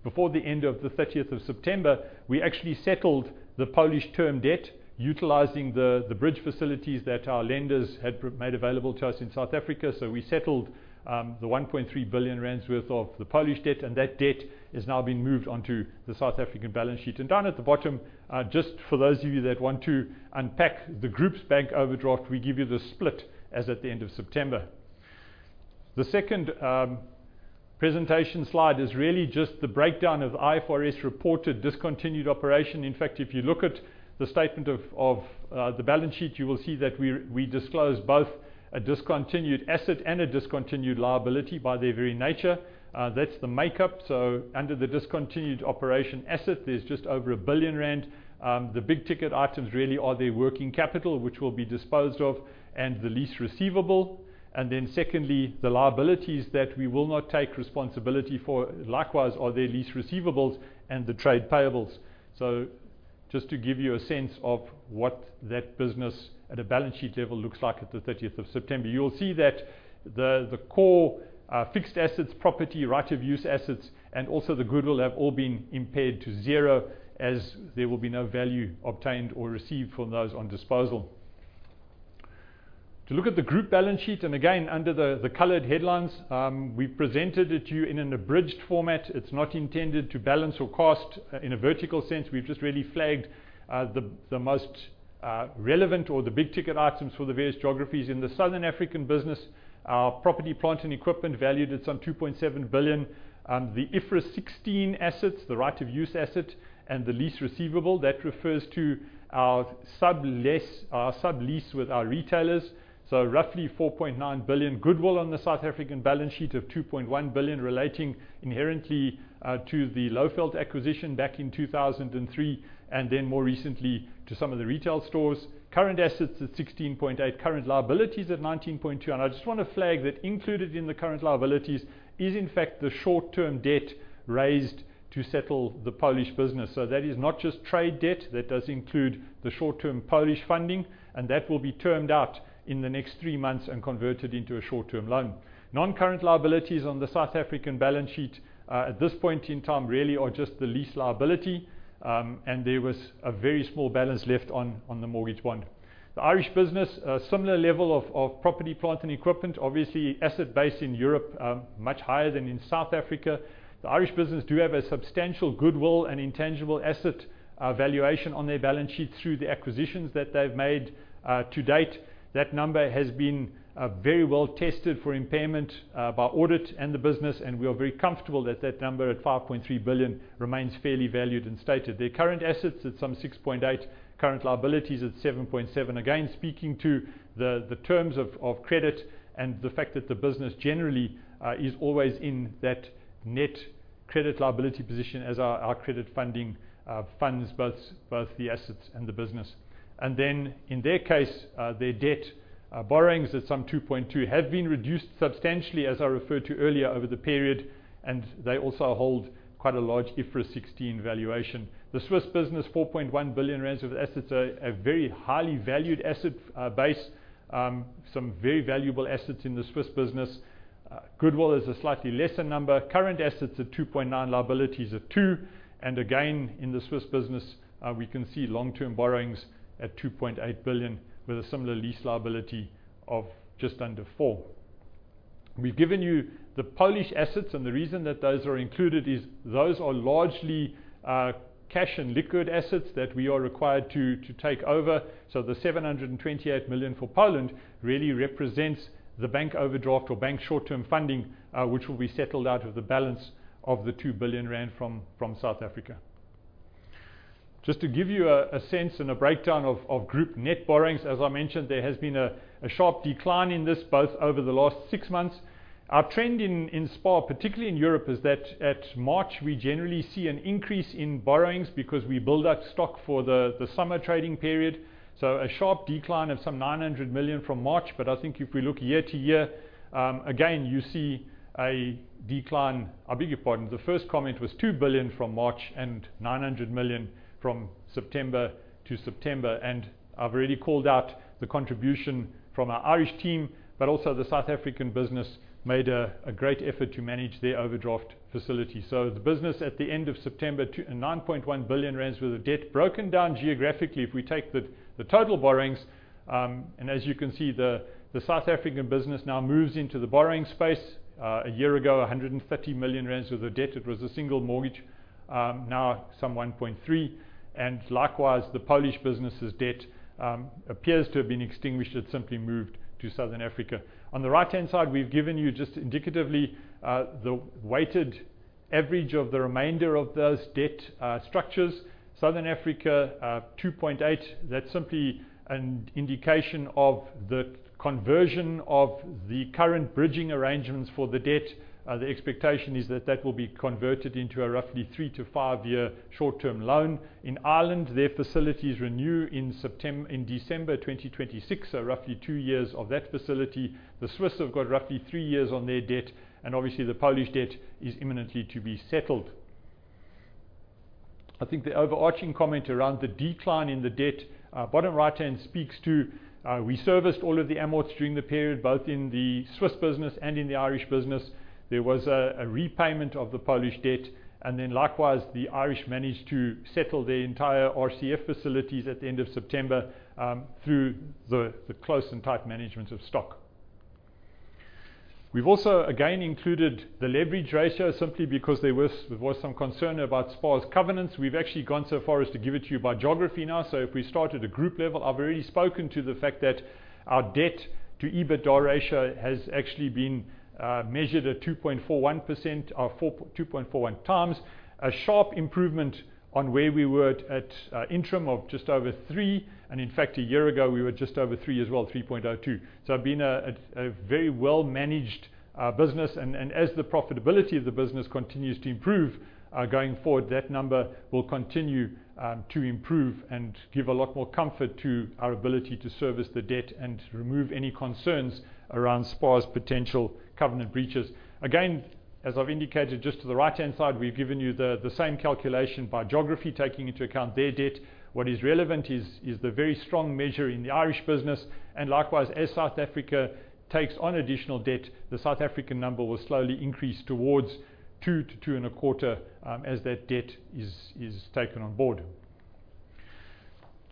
before the end of the 30th of September, we actually settled the Polish term debt utilizing the bridge facilities that our lenders had made available to us in South Africa, so we settled the 1.3 billion rand worth of the Polish debt, and that debt has now been moved onto the South African balance sheet. Down at the bottom, just for those of you that want to unpack the group's bank overdraft, we give you the split as at the end of September. The second presentation slide is really just the breakdown of IFRS reported discontinued operation. In fact, if you look at the statement of the balance sheet, you will see that we disclose both a discontinued asset and a discontinued liability by their very nature. That's the makeup. So under the discontinued operation asset, there's just over 1 billion rand. The big ticket items really are their working capital, which will be disposed of, and the lease receivable. And then secondly, the liabilities that we will not take responsibility for likewise are their lease receivables and the trade payables. Just to give you a sense of what that business at a balance sheet level looks like at the 30th of September, you'll see that the core fixed assets, property, right-of-use assets, and also the goodwill have all been impaired to zero as there will be no value obtained or received from those on disposal. To look at the group balance sheet, and again, under the colored headlines, we've presented it to you in an abridged format. It's not intended to balance or cast in a vertical sense. We've just really flagged the most relevant or the big ticket items for the various geographies in the Southern African business. Our property, plant, and equipment valued at 2.7 billion. The IFRS 16 assets, the right-of-use asset, and the lease receivable, that refers to our sub-lease with our retailers. Roughly 4.9 billion. Goodwill on the South African balance sheet of 2.1 billion relating inherently to the Lowfeld acquisition back in 2003 and then more recently to some of the retail stores. Current assets at 16.8, current liabilities at 19.2, and I just want to flag that included in the current liabilities is, in fact, the short-term debt raised to settle the Polish business, so that is not just trade debt. That does include the short-term Polish funding, and that will be termed out in the next three months and converted into a short-term loan. Non-current liabilities on the South African balance sheet at this point in time really are just the lease liability, and there was a very small balance left on the mortgage bond. The Irish business, a similar level of property, plant and equipment, obviously asset base in Europe much higher than in South Africa. The Irish business do have a substantial goodwill and intangible asset valuation on their balance sheet through the acquisitions that they've made to date. That number has been very well tested for impairment by audit and the business. And we are very comfortable that that number at 5.3 billion remains fairly valued and stated. Their current assets at some 6.8 billion, current liabilities at 7.7 billion. Again, speaking to the terms of credit and the fact that the business generally is always in that net credit liability position as our credit funding funds both the assets and the business. And then in their case, their debt borrowings at some 2.2 billion have been reduced substantially, as I referred to earlier, over the period. And they also hold quite a large IFRS 16 valuation. The Swiss business, 4.1 billion rand of assets, a very highly valued asset base, some very valuable assets in the Swiss business. Goodwill is a slightly lesser number. Current assets at 2.9, liabilities at 2. And again, in the Swiss business, we can see long-term borrowings at 2.8 billion with a similar lease liability of just under 4. We've given you the Polish assets. And the reason that those are included is those are largely cash and liquid assets that we are required to take over. So the 728 million for Poland really represents the bank overdraft or bank short-term funding, which will be settled out of the balance of the 2 billion rand from South Africa. Just to give you a sense and a breakdown of group net borrowings, as I mentioned, there has been a sharp decline in this both over the last six months. Our trend in SPAR, particularly in Europe, is that at March, we generally see an increase in borrowings because we build up stock for the summer trading period, so a sharp decline of some 900 million from March. But I think if we look year-to-year, again, you see a decline. I beg your pardon. The first comment was 2 billion from March and 900 million from September to September. And I've already called out the contribution from our Irish team, but also the South African business made a great effort to manage their overdraft facility, so the business at the end of September, 9.1 billion rand worth of debt broken down geographically. If we take the total borrowings, and as you can see, the South African business now moves into the borrowing space. A year ago, 130 million rand worth of debt. It was a single mortgage, now some 1.3, and likewise, the Polish business's debt appears to have been extinguished. It simply moved to Southern Africa. On the right-hand side, we've given you just indicatively the weighted average of the remainder of those debt structures. Southern Africa, 2.8. That's simply an indication of the conversion of the current bridging arrangements for the debt. The expectation is that that will be converted into a roughly three to five-year short-term loan. In Ireland, their facilities renew in December 2026, so roughly two years of that facility. The Swiss have got roughly three years on their debt, and obviously, the Polish debt is imminently to be settled. I think the overarching comment around the decline in the debt, bottom right-hand speaks to we serviced all of the amorts during the period, both in the Swiss business and in the Irish business. There was a repayment of the Polish debt, and then likewise, the Irish managed to settle their entire RCF facilities at the end of September through the close and tight management of stock. We've also again included the leverage ratio simply because there was some concern about SPAR's covenants. We've actually gone so far as to give it to you by geography now, so if we start at a group level, I've already spoken to the fact that our debt to EBITDA ratio has actually been measured at 2.41% or 2.41 times, a sharp improvement on where we were at interim of just over 3. And in fact, a year ago, we were just over 3 as well, 3.02. So it's been a very well-managed business. As the profitability of the business continues to improve going forward, that number will continue to improve and give a lot more comfort to our ability to service the debt and remove any concerns around SPAR's potential covenant breaches. Again, as I've indicated, just to the right-hand side, we've given you the same calculation by geography, taking into account their debt. What is relevant is the very strong measure in the Irish business. And likewise, as South Africa takes on additional debt, the South African number will slowly increase towards 2-2.25 as that debt is taken on board.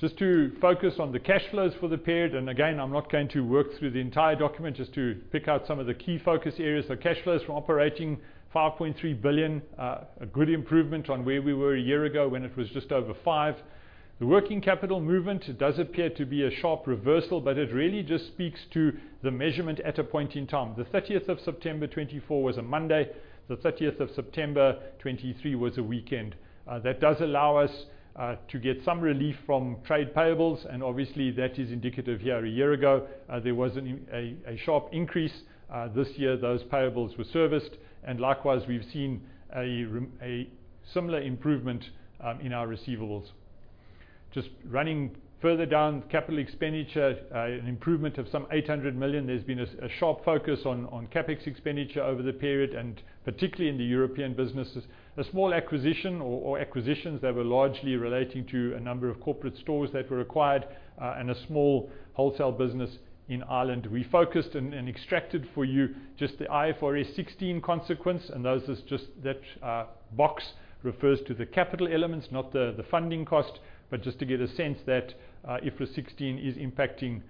Just to focus on the cash flows for the period. And again, I'm not going to work through the entire document just to pick out some of the key focus areas. flows from operating activities 5.3 billion, a good improvement on where we were a year ago when it was just over 5 billion. The working capital movement does appear to be a sharp reversal, but it really just speaks to the measurement at a point in time. The 30th of September 2024 was a Monday. The 30th of September 2023 was a weekend. That does allow us to get some relief from trade payables. And obviously, that is indicative here. A year ago, there was a sharp increase. This year, those payables were serviced. And likewise, we've seen a similar improvement in our receivables. Just running further down, capital expenditure, an improvement of some 800 million. There's been a sharp focus on CapEx expenditure over the period, and particularly in the European businesses. A small acquisition or acquisitions that were largely relating to a number of corporate stores that were acquired and a small wholesale business in Ireland. We focused and extracted for you just the IFRS 16 consequence. And that is just that box refers to the capital elements, not the funding cost, but just to get a sense that IFRS 16 is impacting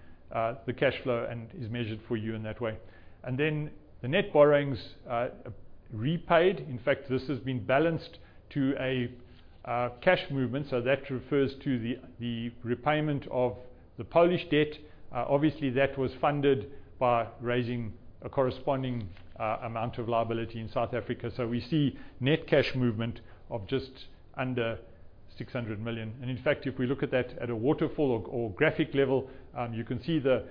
the cash flow and is measured for you in that way. And then the net borrowings repaid. In fact, this has been balanced to a cash movement. So that refers to the repayment of the Polish debt. Obviously, that was funded by raising a corresponding amount of liability in South Africa. So we see net cash movement of just under 600 million. In fact, if we look at that at a waterfall or graphic level, you can see the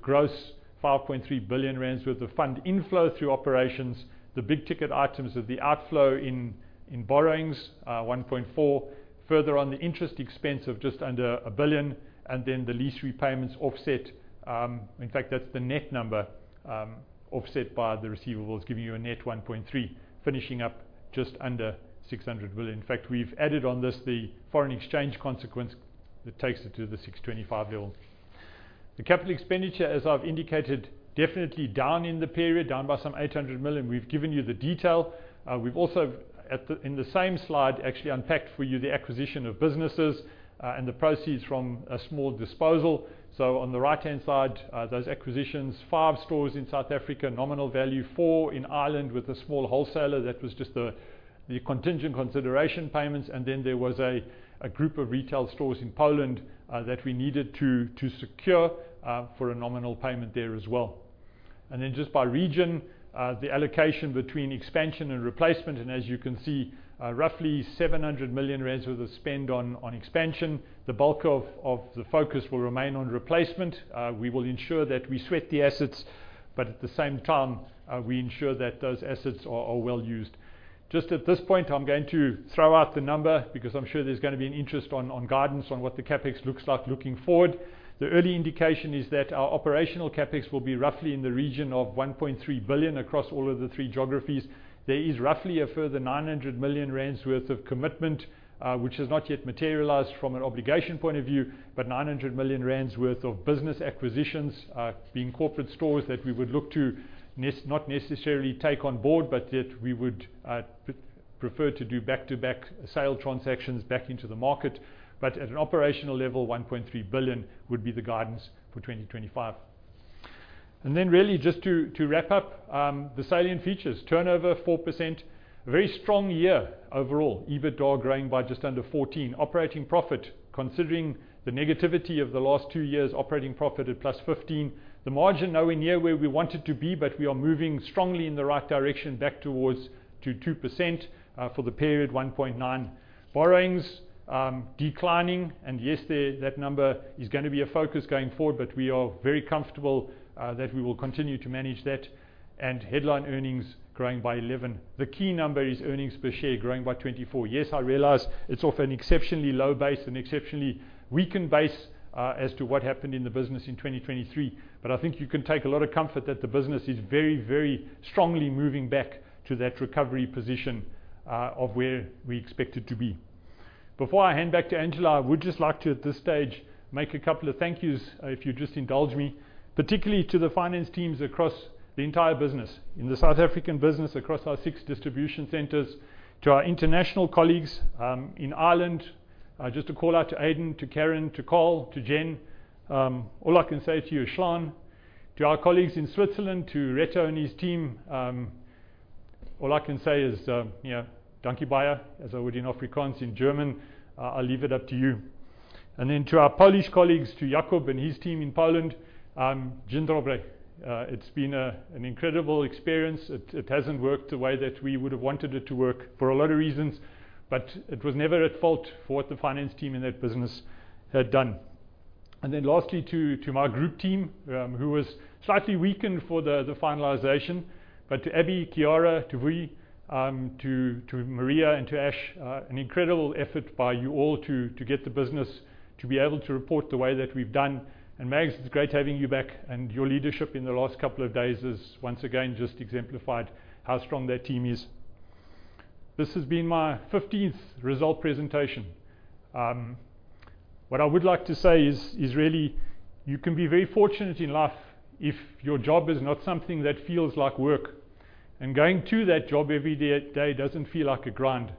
gross 5.3 billion rand worth of funds inflow through operations, the big ticket items of the outflow in borrowings, 1.4 billion. Further on, the interest expense of just under 1 billion. And then the lease repayments offset. In fact, that's the net number offset by the receivables, giving you a net 1.3 billion, finishing up just under 600 million. In fact, we've added on this the foreign exchange consequence that takes it to the 625 million level. The Capital Expenditure, as I've indicated, definitely down in the period, down by some 800 million. We've given you the detail. We've also, in the same slide, actually unpacked for you the acquisition of businesses and the proceeds from a small disposal. On the right-hand side, those acquisitions, five stores in South Africa, nominal value, four in Ireland with a small wholesaler. That was just the contingent consideration payments. And then there was a group of retail stores in Poland that we needed to secure for a nominal payment there as well. And then just by region, the allocation between expansion and replacement. And as you can see, roughly 700 million rand worth of spend on expansion. The bulk of the focus will remain on replacement. We will ensure that we sweat the assets, but at the same time, we ensure that those assets are well used. Just at this point, I'm going to throw out the number because I'm sure there's going to be an interest on guidance on what the CapEx looks like looking forward. The early indication is that our operational CapEx will be roughly in the region of 1.3 billion across all of the three geographies. There is roughly a further 900 million rand worth of commitment, which has not yet materialized from an obligation point of view, but 900 million rand worth of business acquisitions being corporate stores that we would look to not necessarily take on board, but that we would prefer to do back-to-back sale transactions back into the market. But at an operational level, 1.3 billion would be the guidance for 2025. And then, really just to wrap up, the salient features: turnover 4%, a very strong year overall, EBITDA growing by just under 14%, operating profit, considering the negativity of the last two years, operating profit at +15%, the margin nowhere near where we wanted to be, but we are moving strongly in the right direction back towards 2% for the period, 1.9%, borrowings declining. And yes, that number is going to be a focus going forward, but we are very comfortable that we will continue to manage that. And headline earnings growing by 11%. The key number is earnings per share growing by 24%. Yes, I realize it's often exceptionally low-based and exceptionally weakened base as to what happened in the business in 2023. But I think you can take a lot of comfort that the business is very, very strongly moving back to that recovery position of where we expect it to be. Before I hand back to Angelo, I would just like to, at this stage, make a couple of thank yous if you just indulge me, particularly to the finance teams across the entire business, in the South African business, across our six distribution centers, to our international colleagues in Ireland, just to call out to Aiden, to Karen, to Cole, to Jen. All I can say to you is Slán, to our colleagues in Switzerland, to Reto and his team. All I can say is, yeah, dankie baie, as I would in Afrikaans in German. I'll leave it up to you. And then to our Polish colleagues, to Jakub and his team in Poland, Dzień dobry. It's been an incredible experience. It hasn't worked the way that we would have wanted it to work for a lot of reasons, but it was never at fault for what the finance team in that business had done, and then lastly, to my group team, who was slightly weakened for the finalization, but to Ebbie, Kiara, to Vi, to Maria, and to Ash, an incredible effort by you all to get the business to be able to report the way that we've done, and Mags, it's great having you back, and your leadership in the last couple of days has once again just exemplified how strong that team is. This has been my 15th result presentation. What I would like to say is really, you can be very fortunate in life if your job is not something that feels like work. Going to that job every day doesn't feel like a grind.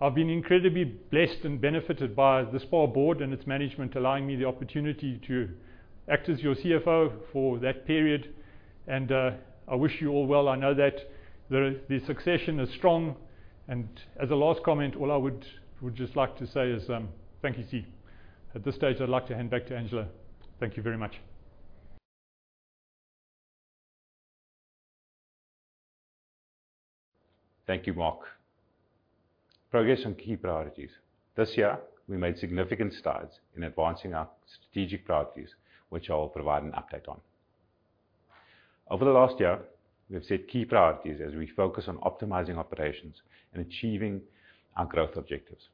I've been incredibly blessed and benefited by the SPAR board and its management allowing me the opportunity to act as your CFO for that period. I wish you all well. I know that the succession is strong. As a last comment, all I would just like to say is thank you, Steve. At this stage, I'd like to hand back to Angelo. Thank you very much. Thank you, Mark. Progress on key priorities. This year, we made significant strides in advancing our strategic priorities, which I will provide an update on. Over the last year, we have set key priorities as we focus on optimizing operations and achieving our growth objectives.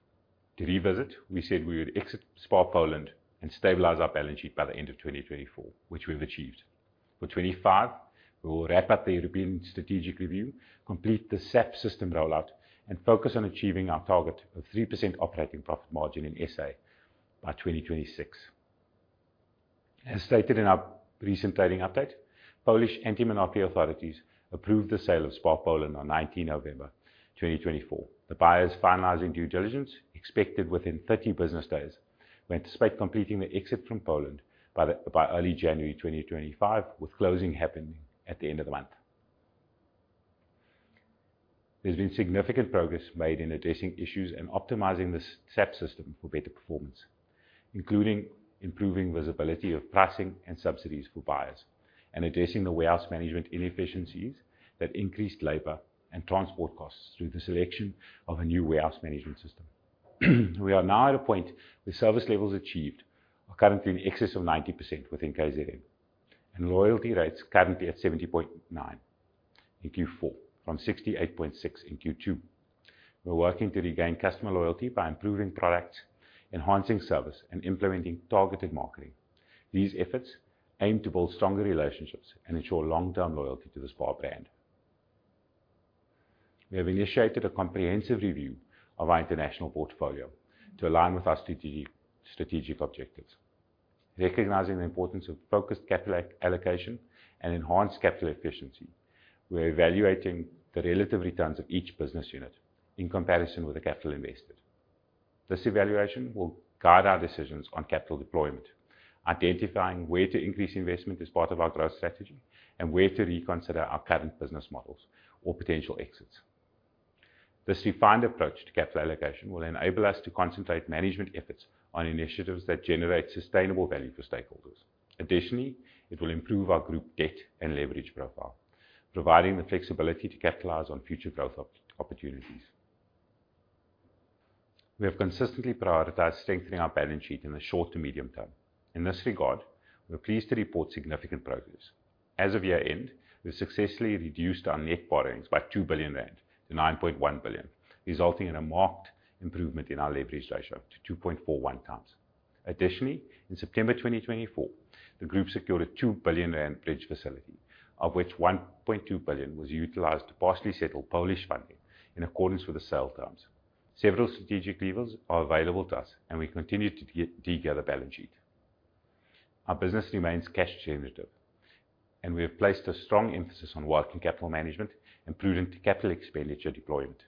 To revisit, we said we would exit SPAR Poland and stabilize our balance sheet by the end of 2024, which we have achieved. For 2025, we will wrap up the European strategic review, complete the SAP system rollout, and focus on achieving our target of 3% operating profit margin in SA by 2026. As stated in our recent trading update, Polish antimonopoly authorities approved the sale of SPAR Poland on 19th of November 2024. The buyers, finalizing due diligence expected within 30 business days, we hope to complete the exit from Poland by early January 2025, with closing happening at the end of the month. There's been significant progress made in addressing issues and optimizing the SAP system for better performance, including improving visibility of pricing and subsidies for buyers and addressing the warehouse management inefficiencies that increased labor and transport costs through the selection of a new warehouse management system. We are now at a point where service levels achieved are currently in excess of 90% within KZN and loyalty rates currently at 70.9 in Q4 from 68.6 in Q2. We're working to regain customer loyalty by improving products, enhancing service, and implementing targeted marketing. These efforts aim to build stronger relationships and ensure long-term loyalty to the SPAR brand. We have initiated a comprehensive review of our international portfolio to align with our strategic objectives. Recognizing the importance of focused capital allocation and enhanced capital efficiency, we're evaluating the relative returns of each business unit in comparison with the capital invested. This evaluation will guide our decisions on capital deployment, identifying where to increase investment as part of our growth strategy and where to reconsider our current business models or potential exits. This refined approach to capital allocation will enable us to concentrate management efforts on initiatives that generate sustainable value for stakeholders. Additionally, it will improve our group debt and leverage profile, providing the flexibility to capitalize on future growth opportunities. We have consistently prioritized strengthening our balance sheet in the short to medium term. In this regard, we're pleased to report significant progress. As of year end, we've successfully reduced our net borrowings by 2 billion-9.1 billion rand, resulting in a marked improvement in our leverage ratio to 2.41 times. Additionally, in September 2024, the group secured a 2 billion rand bridge facility, of which 1.2 billion was utilized to partially settle Polish funding in accordance with the sale terms. Several strategic levers are available to us, and we continue to de-gear the balance sheet. Our business remains cash generative, and we have placed a strong emphasis on working capital management and prudent capital expenditure deployment.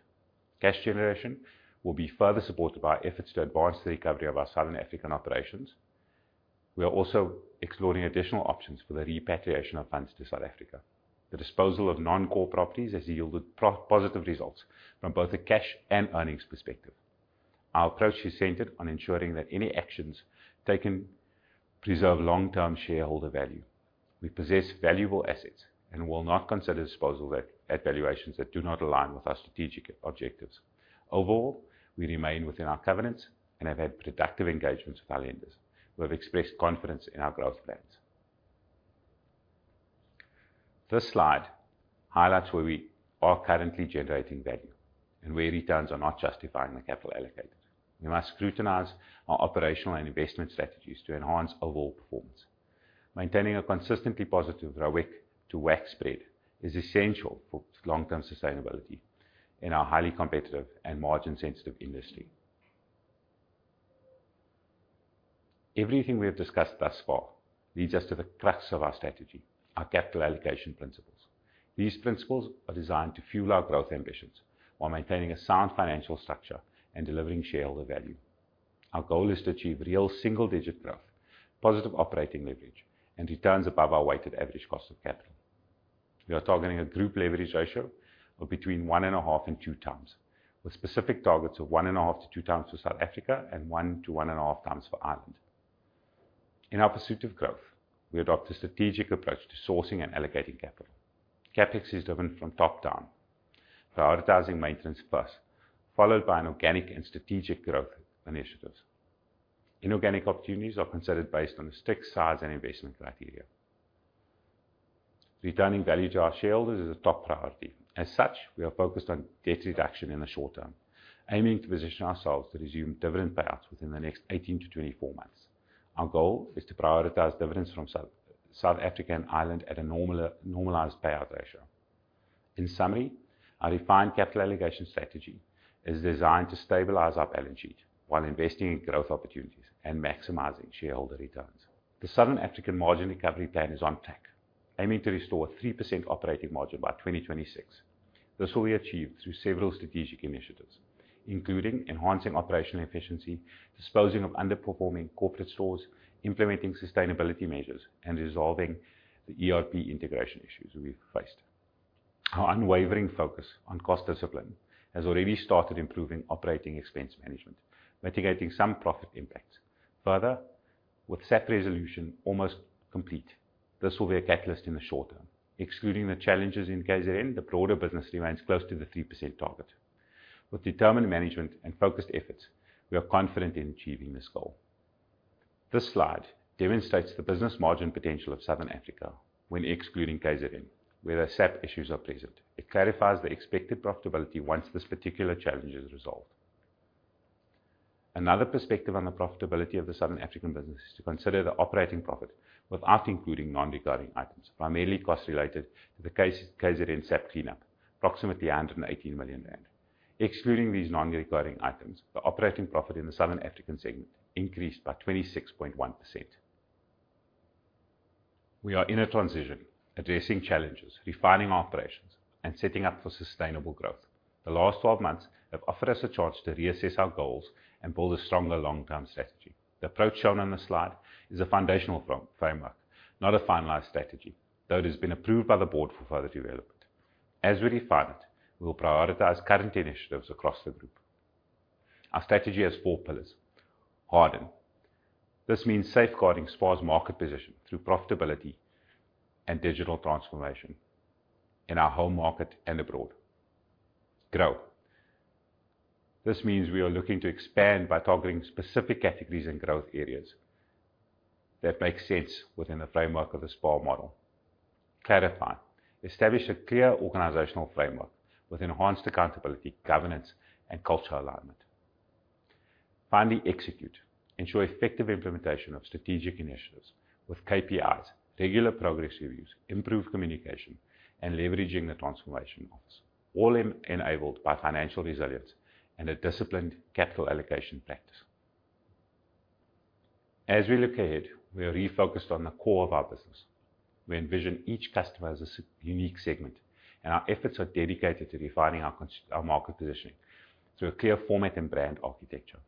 Cash generation will be further supported by our efforts to advance the recovery of our Southern African operations. We are also exploring additional options for the repatriation of funds to South Africa. The disposal of non-core properties has yielded positive results from both a cash and earnings perspective. Our approach is centered on ensuring that any actions taken preserve long-term shareholder value. We possess valuable assets and will not consider disposal at valuations that do not align with our strategic objectives. Overall, we remain within our covenants and have had productive engagements with our lenders. We have expressed confidence in our growth plans. This slide highlights where we are currently generating value and where returns are not justifying the capital allocated. We must scrutinize our operational and investment strategies to enhance overall performance. Maintaining a consistently positive ROIC to WACC spread is essential for long-term sustainability in our highly competitive and margin-sensitive industry. Everything we have discussed thus far leads us to the crux of our strategy, our capital allocation principles. These principles are designed to fuel our growth ambitions while maintaining a sound financial structure and delivering shareholder value. Our goal is to achieve real single-digit growth, positive operating leverage, and returns above our weighted average cost of capital. We are targeting a group leverage ratio of between one and a half and two times, with specific targets of one and a half to two times for South Africa and one to one and a half times for Ireland. In our pursuit of growth, we adopt a strategic approach to sourcing and allocating capital. CapEx is driven from top down, prioritizing maintenance first, followed by an organic and strategic growth initiatives. Inorganic opportunities are considered based on a strict size and investment criteria. Returning value to our shareholders is a top priority. As such, we are focused on debt reduction in the short term, aiming to position ourselves to resume dividend payouts within the next 18-24 months. Our goal is to prioritize dividends from South Africa and Ireland at a normalized payout ratio. In summary, our refined capital allocation strategy is designed to stabilize our balance sheet while investing in growth opportunities and maximizing shareholder returns. The Southern African Margin Recovery Plan is on track, aiming to restore 3% operating margin by 2026. This will be achieved through several strategic initiatives, including enhancing operational efficiency, disposing of underperforming corporate stores, implementing sustainability measures, and resolving the ERP integration issues we've faced. Our unwavering focus on cost discipline has already started improving operating expense management, mitigating some profit impacts. Further, with SAP resolution almost complete, this will be a catalyst in the short term. Excluding the challenges in KZN, the broader business remains close to the 3% target. With determined management and focused efforts, we are confident in achieving this goal. This slide demonstrates the business margin potential of Southern Africa when excluding KZN, where the SAP issues are present. It clarifies the expected profitability once this particular challenge is resolved. Another perspective on the profitability of the Southern African business is to consider the operating profit without including non-recurring items, primarily cost-related to the KZN SAP cleanup, approximately 118 million rand. Excluding these non-recurring items, the operating profit in the Southern African segment increased by 26.1%. We are in a transition, addressing challenges, refining our operations, and setting up for sustainable growth. The last 12 months have offered us a chance to reassess our goals and build a stronger long-term strategy. The approach shown on the slide is a foundational framework, not a finalized strategy, though it has been approved by the board for further development. As we refine it, we will prioritize current initiatives across the group. Our strategy has four pillars: Harden. This means safeguarding SPAR's market position through profitability and digital transformation in our home market and abroad. Grow. This means we are looking to expand by targeting specific categories and growth areas that make sense within the framework of the SPAR model. Clarify. Establish a clear organizational framework with enhanced accountability, governance, and culture alignment. Finally, execute. Ensure effective implementation of strategic initiatives with KPIs, regular progress reviews, improved communication, and leveraging the transformation office, all enabled by financial resilience and a disciplined capital allocation practice. As we look ahead, we are refocused on the core of our business. We envision each customer as a unique segment, and our efforts are dedicated to refining our market positioning through a clear format and brand architecture.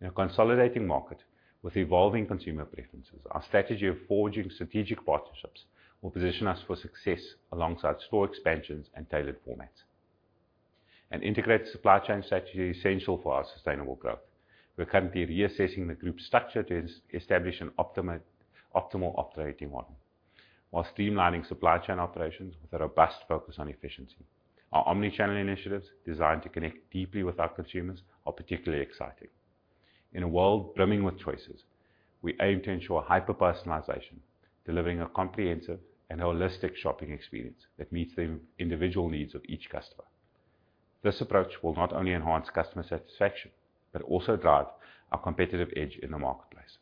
In a consolidating market with evolving consumer preferences, our strategy of forging strategic partnerships will position us for success alongside store expansions and tailored formats. An integrated supply chain strategy is essential for our sustainable growth. We're currently reassessing the group's structure to establish an optimal operating model while streamlining supply chain operations with a robust focus on efficiency. Our omnichannel initiatives, designed to connect deeply with our consumers, are particularly exciting. In a world brimming with choices, we aim to ensure hyper-personalization, delivering a comprehensive and holistic shopping experience that meets the individual needs of each customer. This approach will not only enhance customer satisfaction but also drive our competitive edge in the marketplace.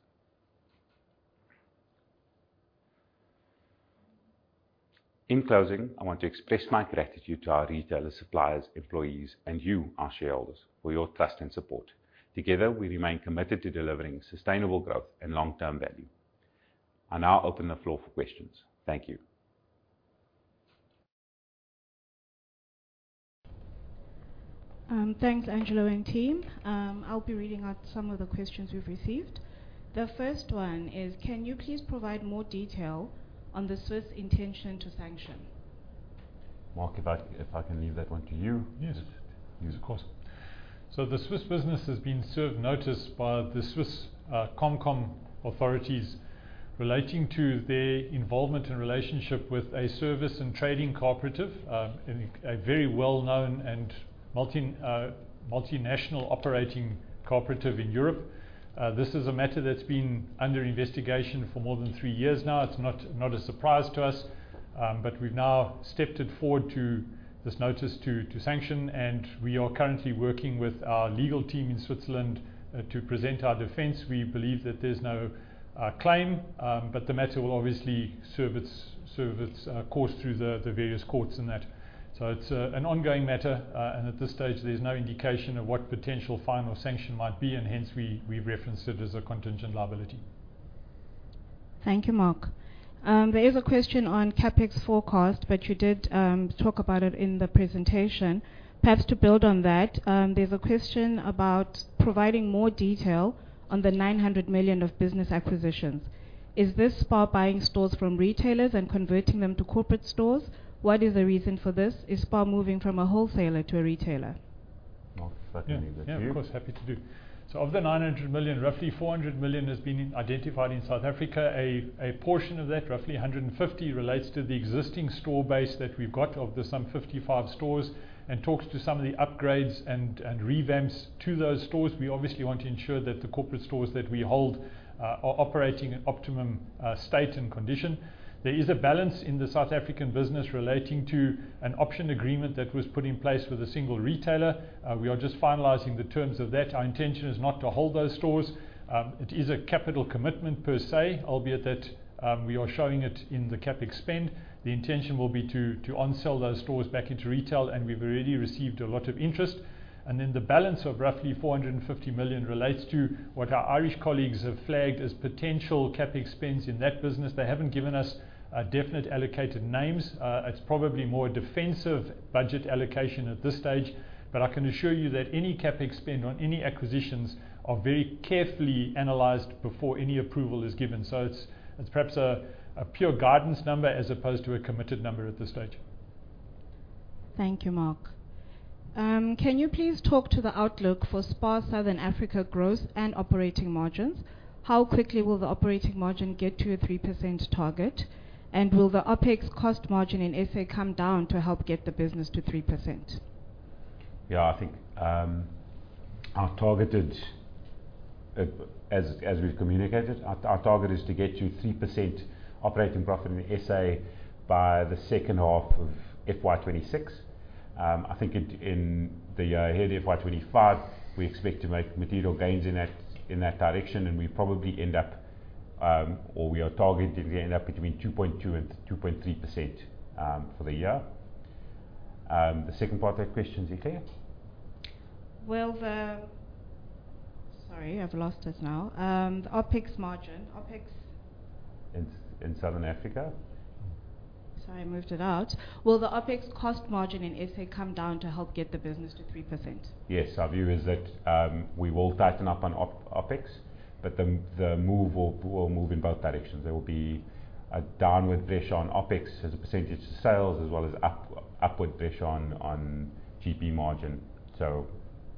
In closing, I want to express my gratitude to our retailers, suppliers, employees, and you, our shareholders, for your trust and support. Together, we remain committed to delivering sustainable growth and long-term value. I now open the floor for questions. Thank you. Thanks, Angelo and team. I'll be reading out some of the questions we've received. The first one is, Can you please provide more detail on the Swiss intention to sanction? Mark, if I can leave that one to you. Yes, of course. The Swiss business has been served notice by the Swiss ComCom authorities relating to their involvement and relationship with a service and trading cooperative, a very well-known and multinational operating cooperative in Europe. This is a matter that's been under investigation for more than three years now. It's not a surprise to us, but we've now stepped forward to this notice to sanction, and we are currently working with our legal team in Switzerland to present our defense. We believe that there's no claim, but the matter will obviously serve its course through the various courts in that. It's an ongoing matter, and at this stage, there's no indication of what potential fine or sanction might be, and hence we've referenced it as a contingent liability. Thank you, Mark. There is a question on CapEx forecast, but you did talk about it in the presentation. Perhaps to build on that, there's a question about providing more detail on the 900 million of business acquisitions. Is this SPAR buying stores from retailers and converting them to corporate stores? What is the reason for this? Is SPAR moving from a wholesaler to a retailer? Mark, if I can leave that to you. Yeah, of course, happy to do. So of the 900 million, roughly 400 million has been identified in South Africa. A portion of that, roughly 150 million, relates to the existing store base that we've got of the some 55 stores and talks to some of the upgrades and revamps to those stores. We obviously want to ensure that the corporate stores that we hold are operating in optimum state and condition. There is a balance in the South African business relating to an option agreement that was put in place with a single retailer. We are just finalizing the terms of that. Our intention is not to hold those stores. It is a capital commitment per SA, I'll be at that we are showing it in the CapEx spend. The intention will be to onsell those stores back into retail, and we've already received a lot of interest, and then the balance of roughly 450 million relates to what our Irish colleagues have flagged as potential CapEx spends in that business. They haven't given us definite allocated names. It's probably more a defensive budget allocation at this stage, but I can assure you that any CapEx spend on any acquisitions are very carefully analyzed before any approval is given, so it's perhaps a pure guidance number as opposed to a committed number at this stage. Thank you, Mark. Can you please talk to the outlook for SPAR Southern Africa growth and operating margins? How quickly will the operating margin get to a 3% target, and will the OpEx cost margin in SA come down to help get the business to 3%? Yeah, I think our targeted, as we've communicated, our target is to get to 3% operating profit in SA by the second half of FY26. I think in the year ahead, FY25, we expect to make material gains in that direction, and we probably end up, or we are targeting to end up between 2.2%-2.3% for the year. The second part of that question, is it clear? Well, the, sorry, I've lost this now. The OpEx margin, OpEx? In Southern Africa? Sorry, I moved it out. Will the OpEx cost margin in SA come down to help get the business to 3%? Yes, our view is that we will tighten up on OpEx, but the move will move in both directions. There will be a downward pressure on OpEx as a percentage of sales, as well as upward pressure on GP margin. So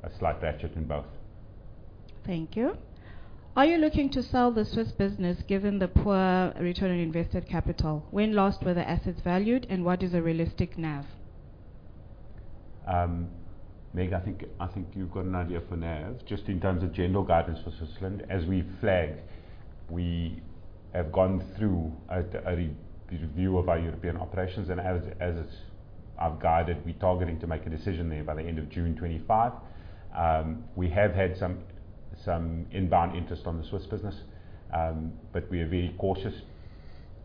a slight ratchet in both. Thank you. Are you looking to sell the Swiss business given the poor return on invested capital? When last were the assets valued, and what is a realistic NAV? Meg, I think you've got an idea for NAV, just in terms of general guidance for Switzerland. As we've flagged, we have gone through a review of our European operations, and as I've guided, we're targeting to make a decision there by the end of June 2025. We have had some inbound interest on the Swiss business, but we are very cautious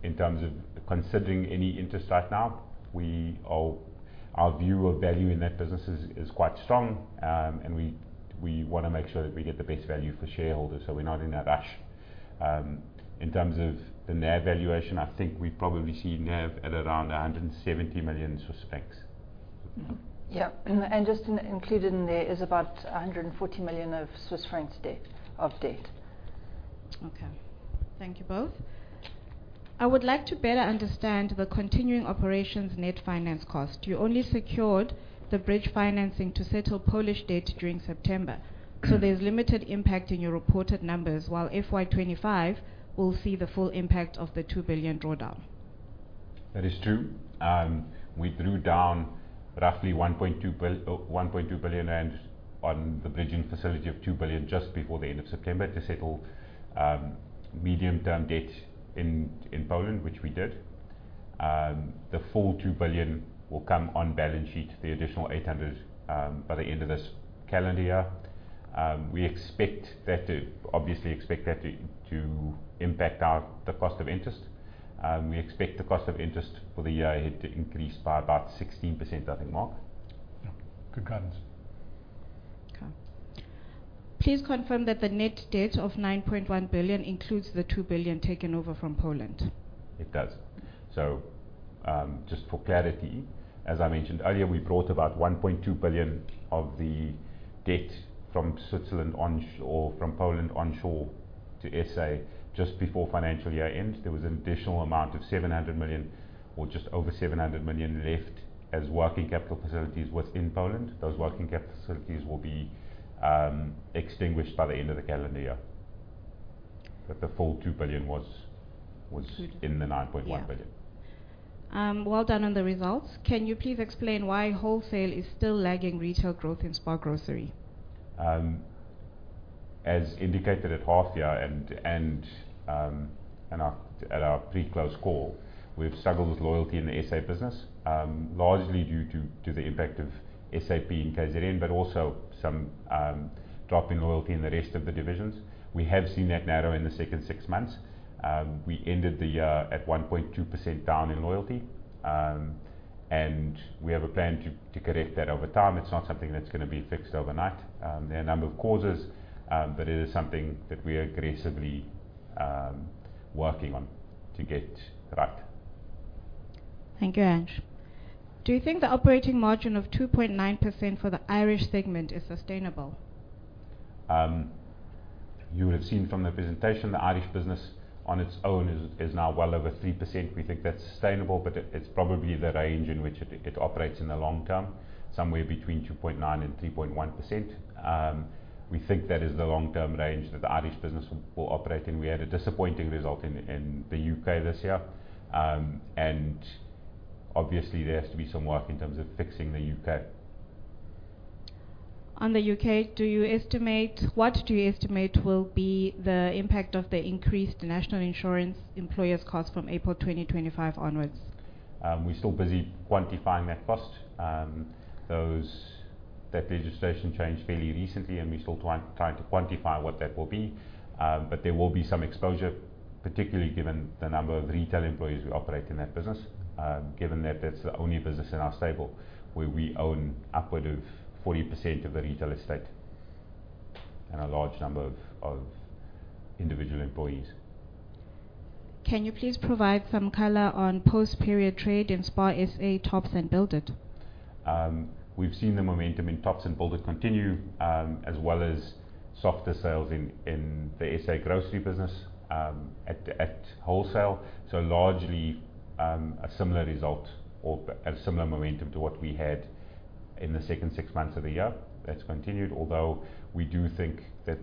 in terms of considering any interest right now. Our view of value in that business is quite strong, and we want to make sure that we get the best value for shareholders so we're not in a rush. In terms of the NAV valuation, I think we probably see NAV at around 170 million Swiss francs. Yep. And just included in there is about 140 million of debt. Okay. Thank you both. I would like to better understand the continuing operations net finance cost. You only secured the bridge financing to settle Polish debt during September, so there's limited impact in your reported numbers, while FY25 will see the full impact of the 2 billion drawdown. That is true. We drew down roughly 1.2 billion on the bridging facility of 2 billion just before the end of September to settle medium-term debt in Poland, which we did. The full 2 billion will come on balance sheet. The additional 800 by the end of this calendar year. We expect that to, obviously expect that to impact the cost of interest. We expect the cost of interest for the year ahead to increase by about 16%, I think, Mark. Good guidance. Okay. Please confirm that the net debt of 9.1 billion includes the 2 billion taken over from Poland. It does. So just for clarity, as I mentioned earlier, we brought about 1.2 billion of the debt from Switzerland onshore or from Poland onshore to SA just before financial year end. There was an additional amount of 700 million, or just over 700 million, left as working capital facilities within Poland. Those working capital facilities will be extinguished by the end of the calendar year. But the full 2 billion was in the 9.1 billion. Well done on the results. Can you please explain why wholesale is still lagging retail growth in SPAR grocery? As indicated at half year and at our pre-close call, we've struggled with loyalty in the SA business, largely due to the impact of SAP in KZN, but also some drop in loyalty in the rest of the divisions. We have seen that narrow in the second six months. We ended the year at 1.2% down in loyalty, and we have a plan to correct that over time. It's not something that's going to be fixed overnight. There are a number of causes, but it is something that we are aggressively working on to get right. Thank you, Ange. Do you think the operating margin of 2.9% for the Irish segment is sustainable? You would have seen from the presentation the Irish business on its own is now well over 3%. We think that's sustainable, but it's probably the range in which it operates in the long term, somewhere between 2.9 and 3.1%. We think that is the long-term range that the Irish business will operate in. We had a disappointing result in the U.K. this year, and obviously there has to be some work in terms of fixing the U.K. On the U.K., do you estimate what do you estimate will be the impact of the increased national insurance employer's cost from April 2025 onwards? We're still busy quantifying that cost. That legislation changed fairly recently, and we're still trying to quantify what that will be, but there will be some exposure, particularly given the number of retail employees who operate in that business, given that that's the only business in our stable where we own upward of 40% of the retail estate and a large number of individual employees. Can you please provide some color on post-period trade in SPAR SA Tops and Build It? We've seen the momentum in Tops and Build It continue as well as softer sales in the SA grocery business at wholesale. Largely a similar result or a similar momentum to what we had in the second six months of the year that's continued, although we do think that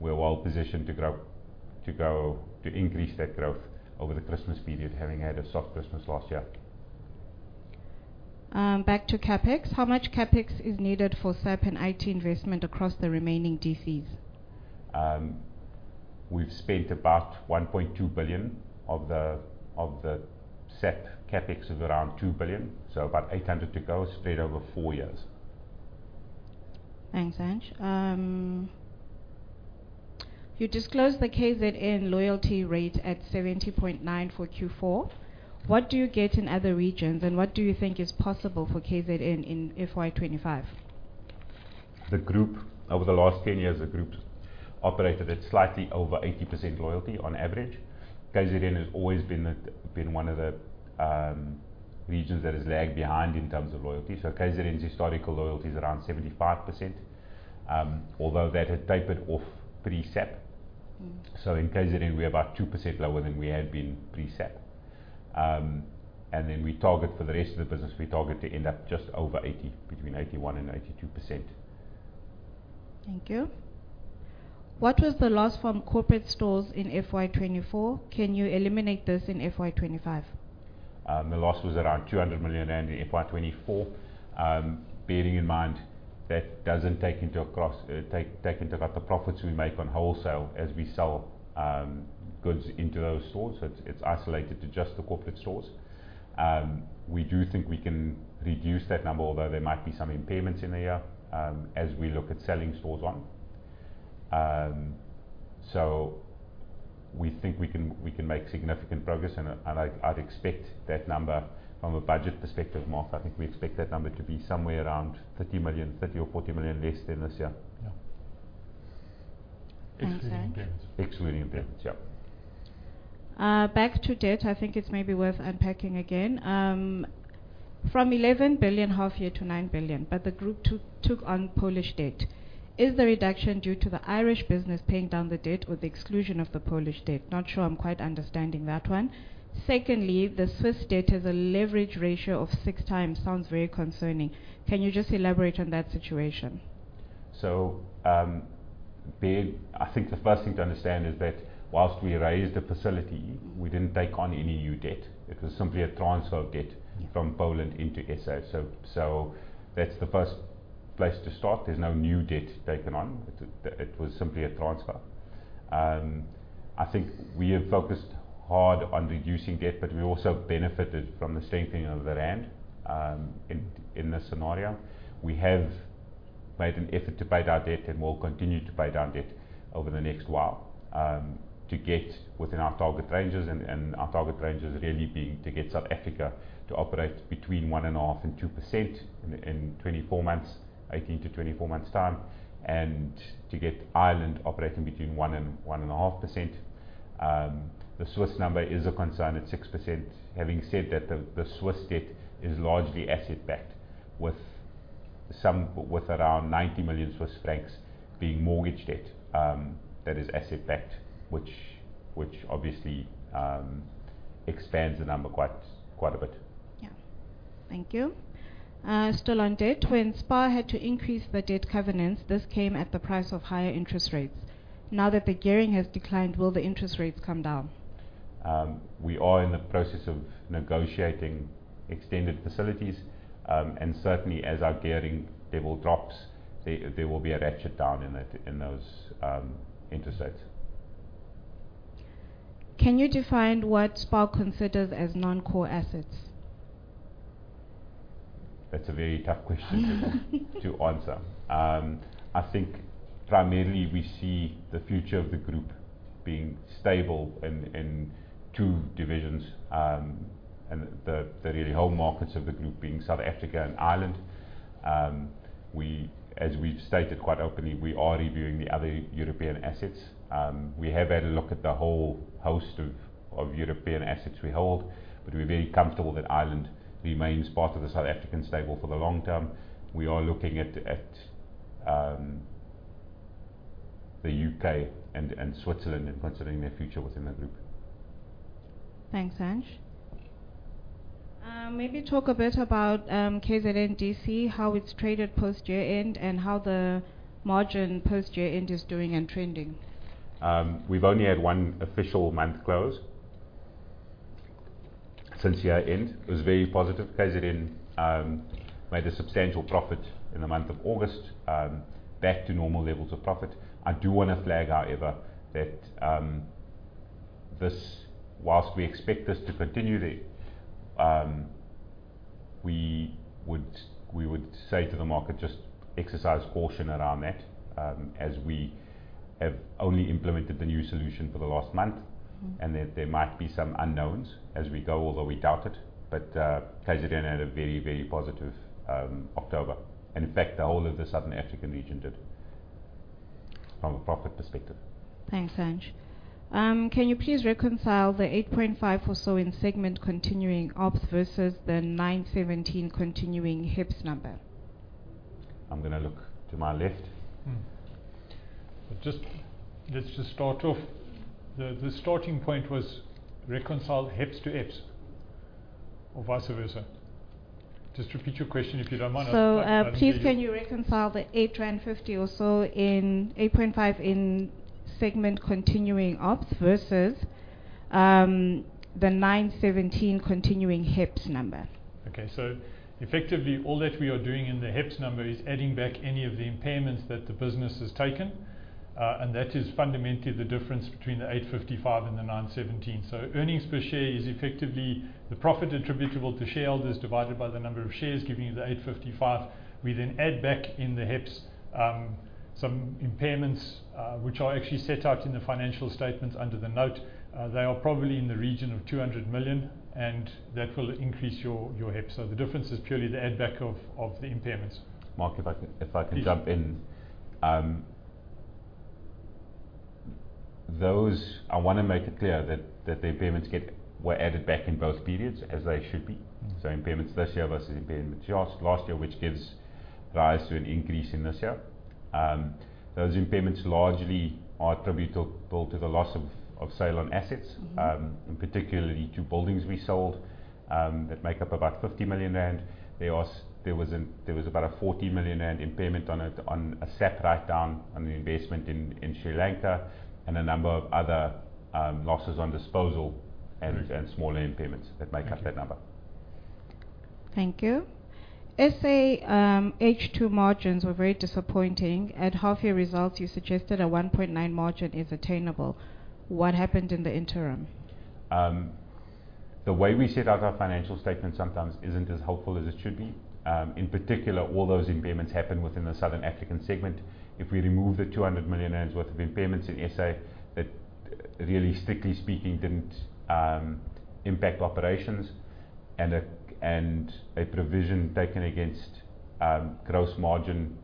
we're well positioned to grow, to increase that growth over the Christmas period, having had a soft Christmas last year. Back to CapEx, how much CapEx is needed for SAP and IT investment across the remaining DCs? We've spent about 1.2 billion of the SAP CapEx of around 2 billion, so about 800 million to go spread over four years. Thanks, Ange. You disclosed the KZN loyalty rate at 70.9% for Q4. What do you get in other regions, and what do you think is possible for KZN in FY25? Over the last 10 years, the group operated at slightly over 80% loyalty on average. KZN has always been one of the regions that has lagged behind in terms of loyalty. So KZN's historical loyalty is around 75%, although that had tapered off pre-SAP. So in KZN, we're about 2% lower than we had been pre-SAP. And then we target for the rest of the business, we target to end up just over 80, between 81-82%. Thank you. What was the loss from corporate stores in FY24? Can you eliminate this in FY25? The loss was around 200 million in FY24, bearing in mind that doesn't take into account the profits we make on wholesale as we sell goods into those stores, so it's isolated to just the corporate stores. We do think we can reduce that number, although there might be some impairments in the year as we look at selling stores on. So we think we can make significant progress, and I'd expect that number from a budget perspective, Mark. I think we expect that number to be somewhere around 30 million, 30 million or 40 million less than this year. Excluding impairments. Excluding impairments, yep. Back to debt, I think it's maybe worth unpacking again. From 11 billion half year to 9 billion, but the group took on Polish debt. Is the reduction due to the Irish business paying down the debt or the exclusion of the Polish debt? Not sure I'm quite understanding that one. Secondly, the Swiss debt has a leverage ratio of six times. Sounds very concerning. Can you just elaborate on that situation? I think the first thing to understand is that while we raised the facility, we didn't take on any new debt. It was simply a transfer of debt from Poland into SA. That's the first place to start. There's no new debt taken on. It was simply a transfer. I think we have focused hard on reducing debt, but we also benefited from the strengthening of the Rand in this scenario. We have made an effort to pay down debt and will continue to pay down debt over the next while to get within our target ranges, and our target ranges really being to get South Africa to operate between 1.5%-2% in 18-24 months' time and to get Ireland operating between 1%-1.5%. The Swiss number is a concern at 6%, having said that the Swiss debt is largely asset-backed, with around 90 million Swiss francs being mortgage debt that is asset-backed, which obviously expands the number quite a bit. Yeah. Thank you. Still on debt, when SPAR had to increase the debt covenants, this came at the price of higher interest rates. Now that the gearing has declined, will the interest rates come down? We are in the process of negotiating extended facilities, and certainly as our gearing level drops, there will be a ratchet down in those interest rates. Can you define what SPAR considers as non-core assets? That's a very tough question to answer. I think primarily we see the future of the group being stable in two divisions and the real core markets of the group being South Africa and Ireland. As we've stated quite openly, we are reviewing the other European assets. We have had a look at the whole host of European assets we hold, but we're very comfortable that Ireland remains part of the South African stable for the long term. We are looking at the UK and Switzerland and considering their future within the group. Thanks, Ange. Maybe talk a bit about KZN DC, how it's traded post-year end and how the margin post-year end is doing and trending. We've only had one official month close since year end. It was very positive. KZN made a substantial profit in the month of August, back to normal levels of profit. I do want to flag, however, that while we expect this to continue there, we would say to the market, "Just exercise caution around that," as we have only implemented the new solution for the last month, and that there might be some unknowns as we go, although we doubt it. But KZN had a very, very positive October. In fact, the whole of the Southern African region did from a profit perspective. Thanks, Ange. Can you please reconcile the 8.5 or so in segment continuing ops versus the 9.17 continuing HEPS number? I'm going to look to my left. Let's just start off. The starting point was reconcile HEPS to EPS or vice versa. Just repeat your question if you don't mind. So please can you reconcile the 8.50 or so in 8.5 in segment continuing ops versus the 9.17 continuing HEPS number? Okay. So effectively all that we are doing in the HEPS number is adding back any of the impairments that the business has taken, and that is fundamentally the difference between the 8.55 and the 9.17. So earnings per share is effectively the profit attributable to shareholders divided by the number of shares, giving you the 8.55. We then add back in the HEPS some impairments, which are actually set out in the financial statements under the note. They are probably in the region of 200 million, and that will increase your HEPS. So the difference is purely the add-back of the impairments. Mark, if I can jump in. Those, I want to make it clear that the impairments were added back in both periods as they should be. So impairments this year versus impairments last year, which gives rise to an increase in this year. Those impairments largely are attributable to the loss of sale on assets, particularly two buildings we sold that make up about 50 million rand. There was about a 40 million rand impairment on a SAP write-down on the investment in Sri Lanka and a number of other losses on disposal and smaller impairments that make up that number. Thank you. SA H2 margins were very disappointing. At half year results, you suggested a 1.9% margin is attainable. What happened in the interim? The way we set out our financial statements sometimes isn't as helpful as it should be. In particular, all those impairments happened within the Southern African segment. If we remove the 200 million's worth of impairments in SA, that really, strictly speaking, didn't impact operations. And a provision taken against gross margin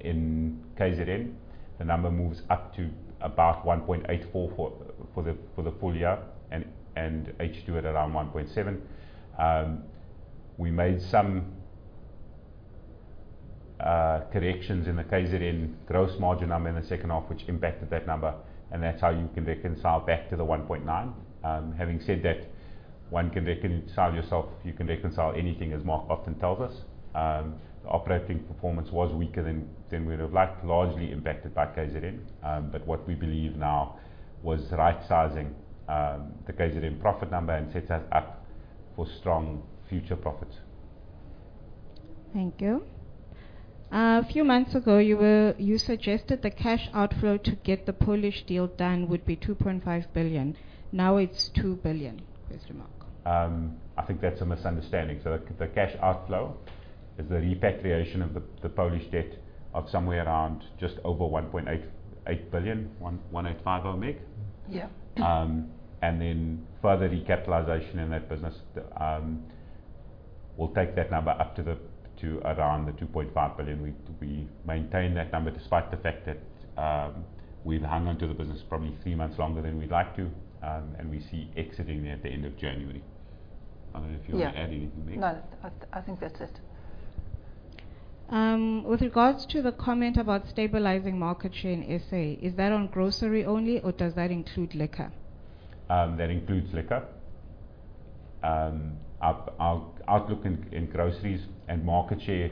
in KZN, the number moves up to about 1.84 for the full year and H2 at around 1.7. We made some corrections in the KZN gross margin number in the second half, which impacted that number, and that's how you can reconcile back to the 1.9. Having said that, one can reconcile yourself. You can reconcile anything, as Mark often tells us. The operating performance was weaker than we would have liked, largely impacted by KZN, but what we believe now was right-sizing the KZN profit number and set that up for strong future profits. Thank you. A few months ago, you suggested the cash outflow to get the Polish deal done would be 2.5 billion. Now it's 2 billion. Where's the mark? I think that's a misunderstanding. The cash outflow is the repatriation of the Polish debt of somewhere around just over 1.8 billion, 1.85 billion, I'll make. Then further recapitalization in that business will take that number up to around 2.5 billion. We maintain that number despite the fact that we've hung onto the business probably three months longer than we'd like to, and we see exiting at the end of January. I don't know if you want to add anything there. No. I think that's it. With regard to the comment about stabilizing market share in SA, is that on grocery only, or does that include liquor? That includes liquor. Our outlook in groceries and market share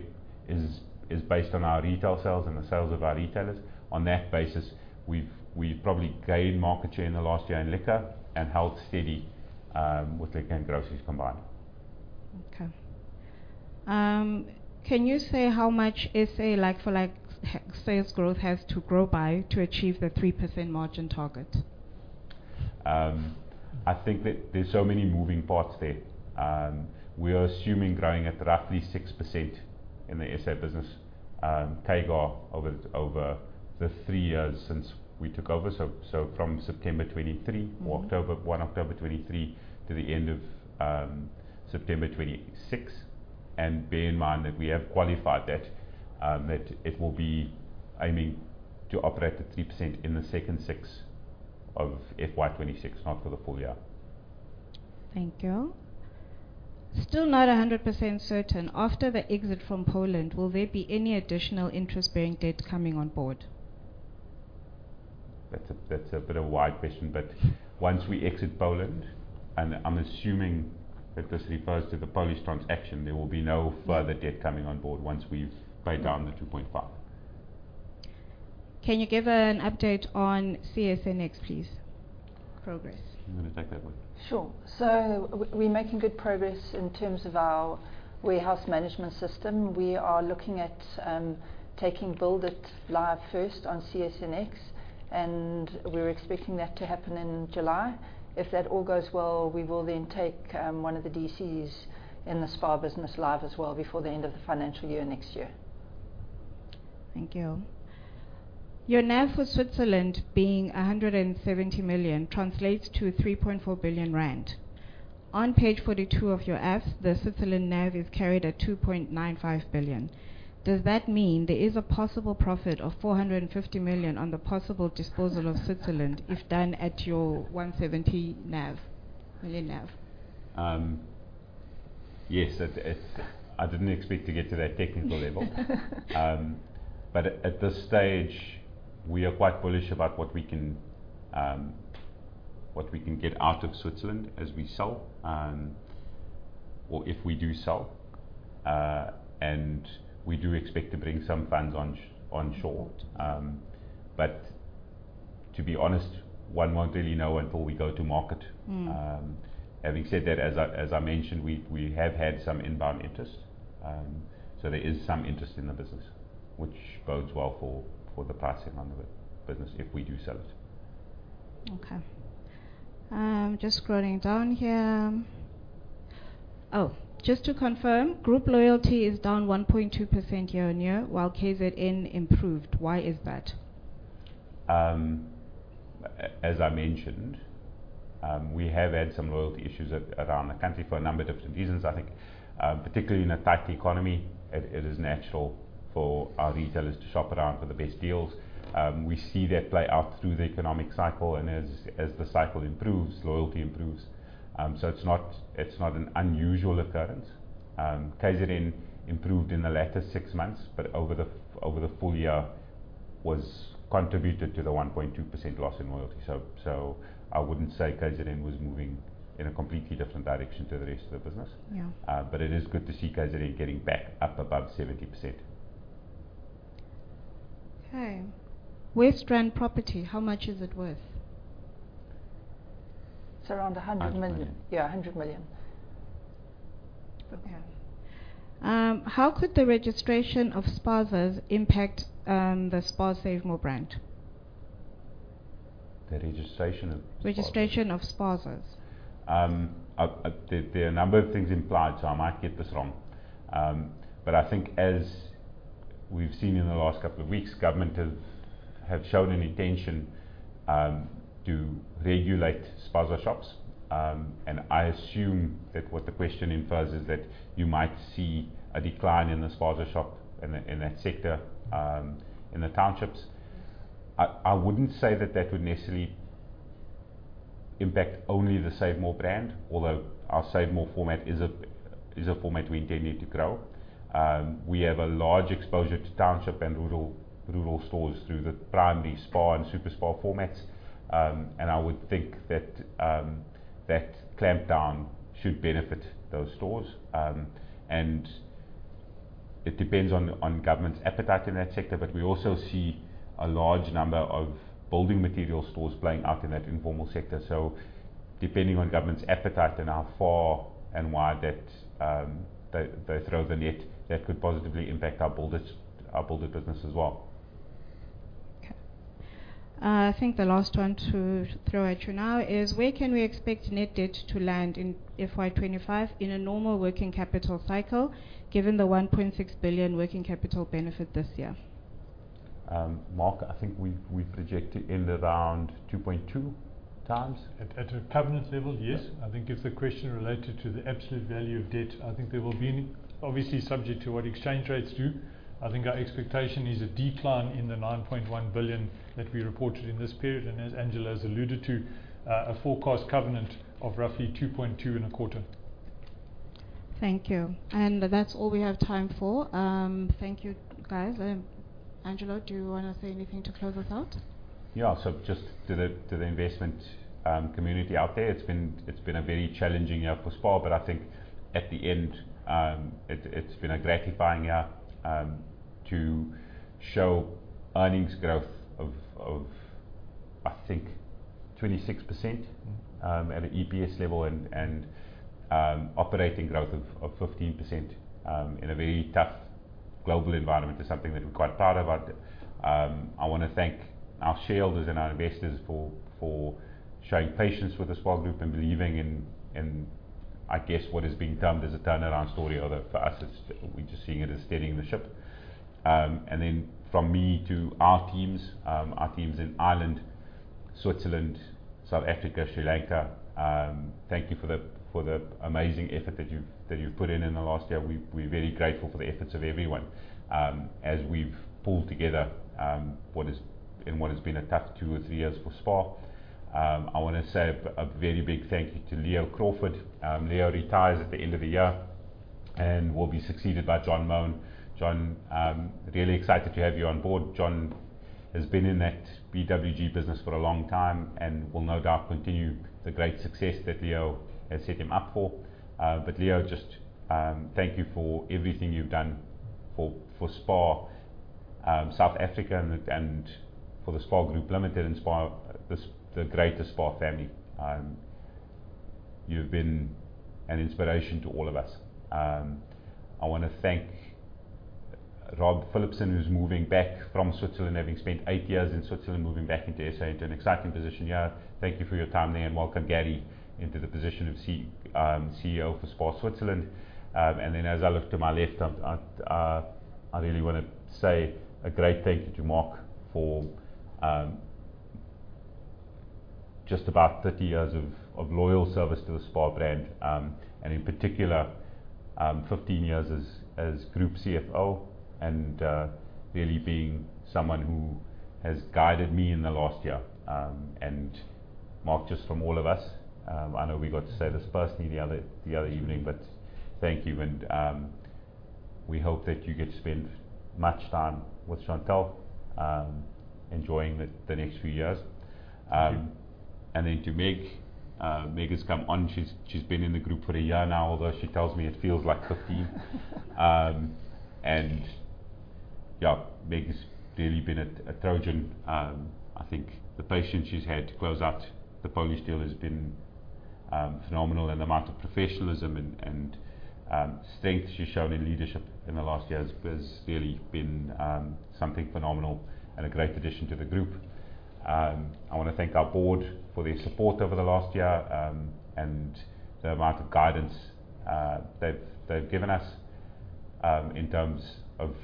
is based on our retail sales and the sales of our retailers. On that basis, we've probably gained market share in the last year in liquor and held steady with liquor and groceries combined. Okay. Can you say how much SA for sales growth has to grow by to achieve the 3% margin target? I think that there's so many moving parts there. We are assuming growing at roughly 6% in the SA business CAGR over the three years since we took over, so from September 2023, 1 October 2023 to the end of September 2026, and bear in mind that we have qualified that it will be aiming to operate at 3% in the second six of FY26, not for the full year. Thank you. Still not 100% certain. After the exit from Poland, will there be any additional interest-bearing debt coming on board? That's a bit of a wide question, but once we exit Poland, and I'm assuming that this refers to the Polish transaction, there will be no further debt coming on board once we've paid down the 2.5. Can you give an update on CSNX, please? Progress. I'm going to take that one. Sure. So we're making good progress in terms of our warehouse management system. We are looking at taking Bullitt live first on CSNX, and we're expecting that to happen in July. If that all goes well, we will then take one of the DCs in the SPAR business live as well before the end of the financial year next year. Thank you. Your NAV for Switzerland being 170 million translates to 3.4 billion rand. On page 42 of your F, the Switzerland NAV is carried at 2.95 billion. Does that mean there is a possible profit of 450 million on the possible disposal of Switzerland if done at your 170 million NAV? Yes. I didn't expect to get to that technical level. But at this stage, we are quite bullish about what we can get out of Switzerland as we sell or if we do sell. And we do expect to bring some funds onshore. But to be honest, one won't really know until we go to market. Having said that, as I mentioned, we have had some inbound interest. So there is some interest in the business, which bodes well for the pricing on the business if we do sell it. Okay. Just scrolling down here. Oh, just to confirm, group loyalty is down 1.2% year on year, while KZN improved. Why is that? As I mentioned, we have had some loyalty issues around the country for a number of different reasons. I think particularly in a tight economy, it is natural for our retailers to shop around for the best deals. We see that play out through the economic cycle, and as the cycle improves, loyalty improves. So it's not an unusual occurrence. KZN improved in the latter six months, but over the full year was contributed to the 1.2% loss in loyalty. So I wouldn't say KZN was moving in a completely different direction to the rest of the business. But it is good to see KZN getting back up above 70%. Okay. West Rand Property, how much is it worth? It's around 100 million. Yeah, 100 million. Okay. How could the registration of SPAR SA's simpact the SPAR SaveMor brand? The registration of SPAR SA's? Registration of SPAR SA's. There are a number of things implied, so I might get this wrong. But I think as we've seen in the last couple of weeks, government have shown an intention to regulate SPAR SA shops. I assume that what the question infers is that you might see a decline in the SPAR SAs shops in that sector in the townships. I wouldn't say that that would necessarily impact only the SaveMor brand, although our SaveMor format is a format we intended to grow. We have a large exposure to township and rural stores through the primary SPAR and Super SPAR formats. I would think that that clampdown should benefit those stores. It depends on government's appetite in that sector, but we also see a large number of building material stores playing out in that informal sector. Depending on government's appetite and how far and wide they throw the net, that could positively impact our Build it business as well. Okay. I think the last one to throw at you now is, where can we expect net debt to land in FY25 in a normal working capital cycle given the 1.6 billion working capital benefit this year? Mark, I think we project it in around 2.2 times. At a covenant level, yes. I think if the question related to the absolute value of debt, I think there will obviously be subject to what exchange rates do. I think our expectation is a decline in the 9.1 billion that we reported in this period. And as Angelo has alluded to, a forecast covenant of roughly 2.25. Thank you. And that's all we have time for. Thank you, guys. Angelo, do you want to say anything to close us out? Yeah. So just to the investment community out there, it's been a very challenging year for SPAR, but I think at the end, it's been a gratifying year to show earnings growth of, I think, 26% at an EPS level and operating growth of 15% in a very tough global environment is something that we're quite proud of. I want to thank our shareholders and our investors for showing patience with the SPAR group and believing in, I guess, what is being termed as a turnaround story. Although for us, we're just seeing it as steadying the ship. And then from me to our teams, our teams in Ireland, Switzerland, South Africa, Sri Lanka, thank you for the amazing effort that you've put in in the last year. We're very grateful for the efforts of everyone as we've pulled together in what has been a tough two or three years for SPAR. I want to say a very big thank you to Leo Crawford. Leo retires at the end of the year, and we'll be succeeded by John Moane. John, really excited to have you on board. John has been in that BWG business for a long time and will no doubt continue the great success that Leo has set him up for. But Leo, just thank you for everything you've done for SPAR South Africa and for the SPAR Group Limited and SPAR, the greater SPAR family. You've been an inspiration to all of us. I want to thank Rob Philipson, who's moving back from Switzerland, having spent eight years in Switzerland, moving back into SA into an exciting position. Yeah, thank you for your time there. Welcome Gary into the position of CEO for SPAR Switzerland. Then as I look to my left, I really want to say a great thank you to Mark for just about 30 years of loyal service to the SPAR brand and in particular 15 years as Group CFO and really being someone who has guided me in the last year. Mark, just from all of us, I know we got to say this personally the other evening, but thank you. We hope that you get to spend much time with Chantel enjoying the next few years. Then to Meg, Meg has come on. She's been in the group for a year now, although she tells me it feels like 15. Yeah, Meg has really been a trojan. I think the patience she's had to close out the Polish deal has been phenomenal. The amount of professionalism and strength she's shown in leadership in the last year has really been something phenomenal and a great addition to the group. I want to thank our board for their support over the last year and the amount of guidance they've given us in terms of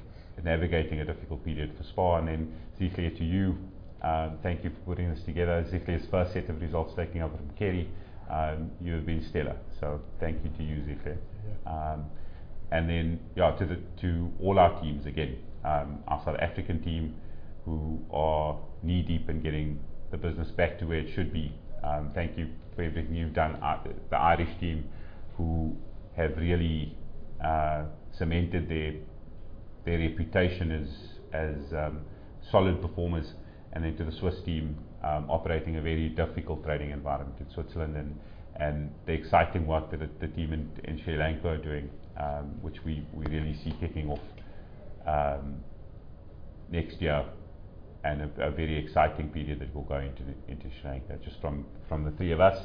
navigating a difficult period for SPAR. Then Ezekiel, to you, thank you for putting this together. Ezekiel's first set of results taking over from Kerry. You have been stellar. So thank you to you, Ezekiel. Then yeah, to all our teams again, our South African team who are knee-deep in getting the business back to where it should be. Thank you for everything you've done. The Irish team who have really cemented their reputation as solid performers. And then to the Swiss team operating a very difficult trading environment in Switzerland and the exciting work that the team in Sri Lanka are doing, which we really see kicking off next year and a very exciting period that we'll go into Sri Lanka just from the three of us.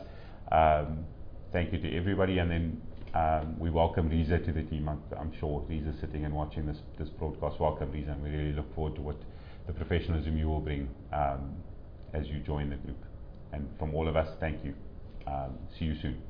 Thank you to everybody. And then we welcome Reza to the team. I'm sure Reza's sitting and watching this broadcast. Welcome, Reza. And we really look forward to what the professionalism you will bring as you join the group. And from all of us, thank you. See you soon.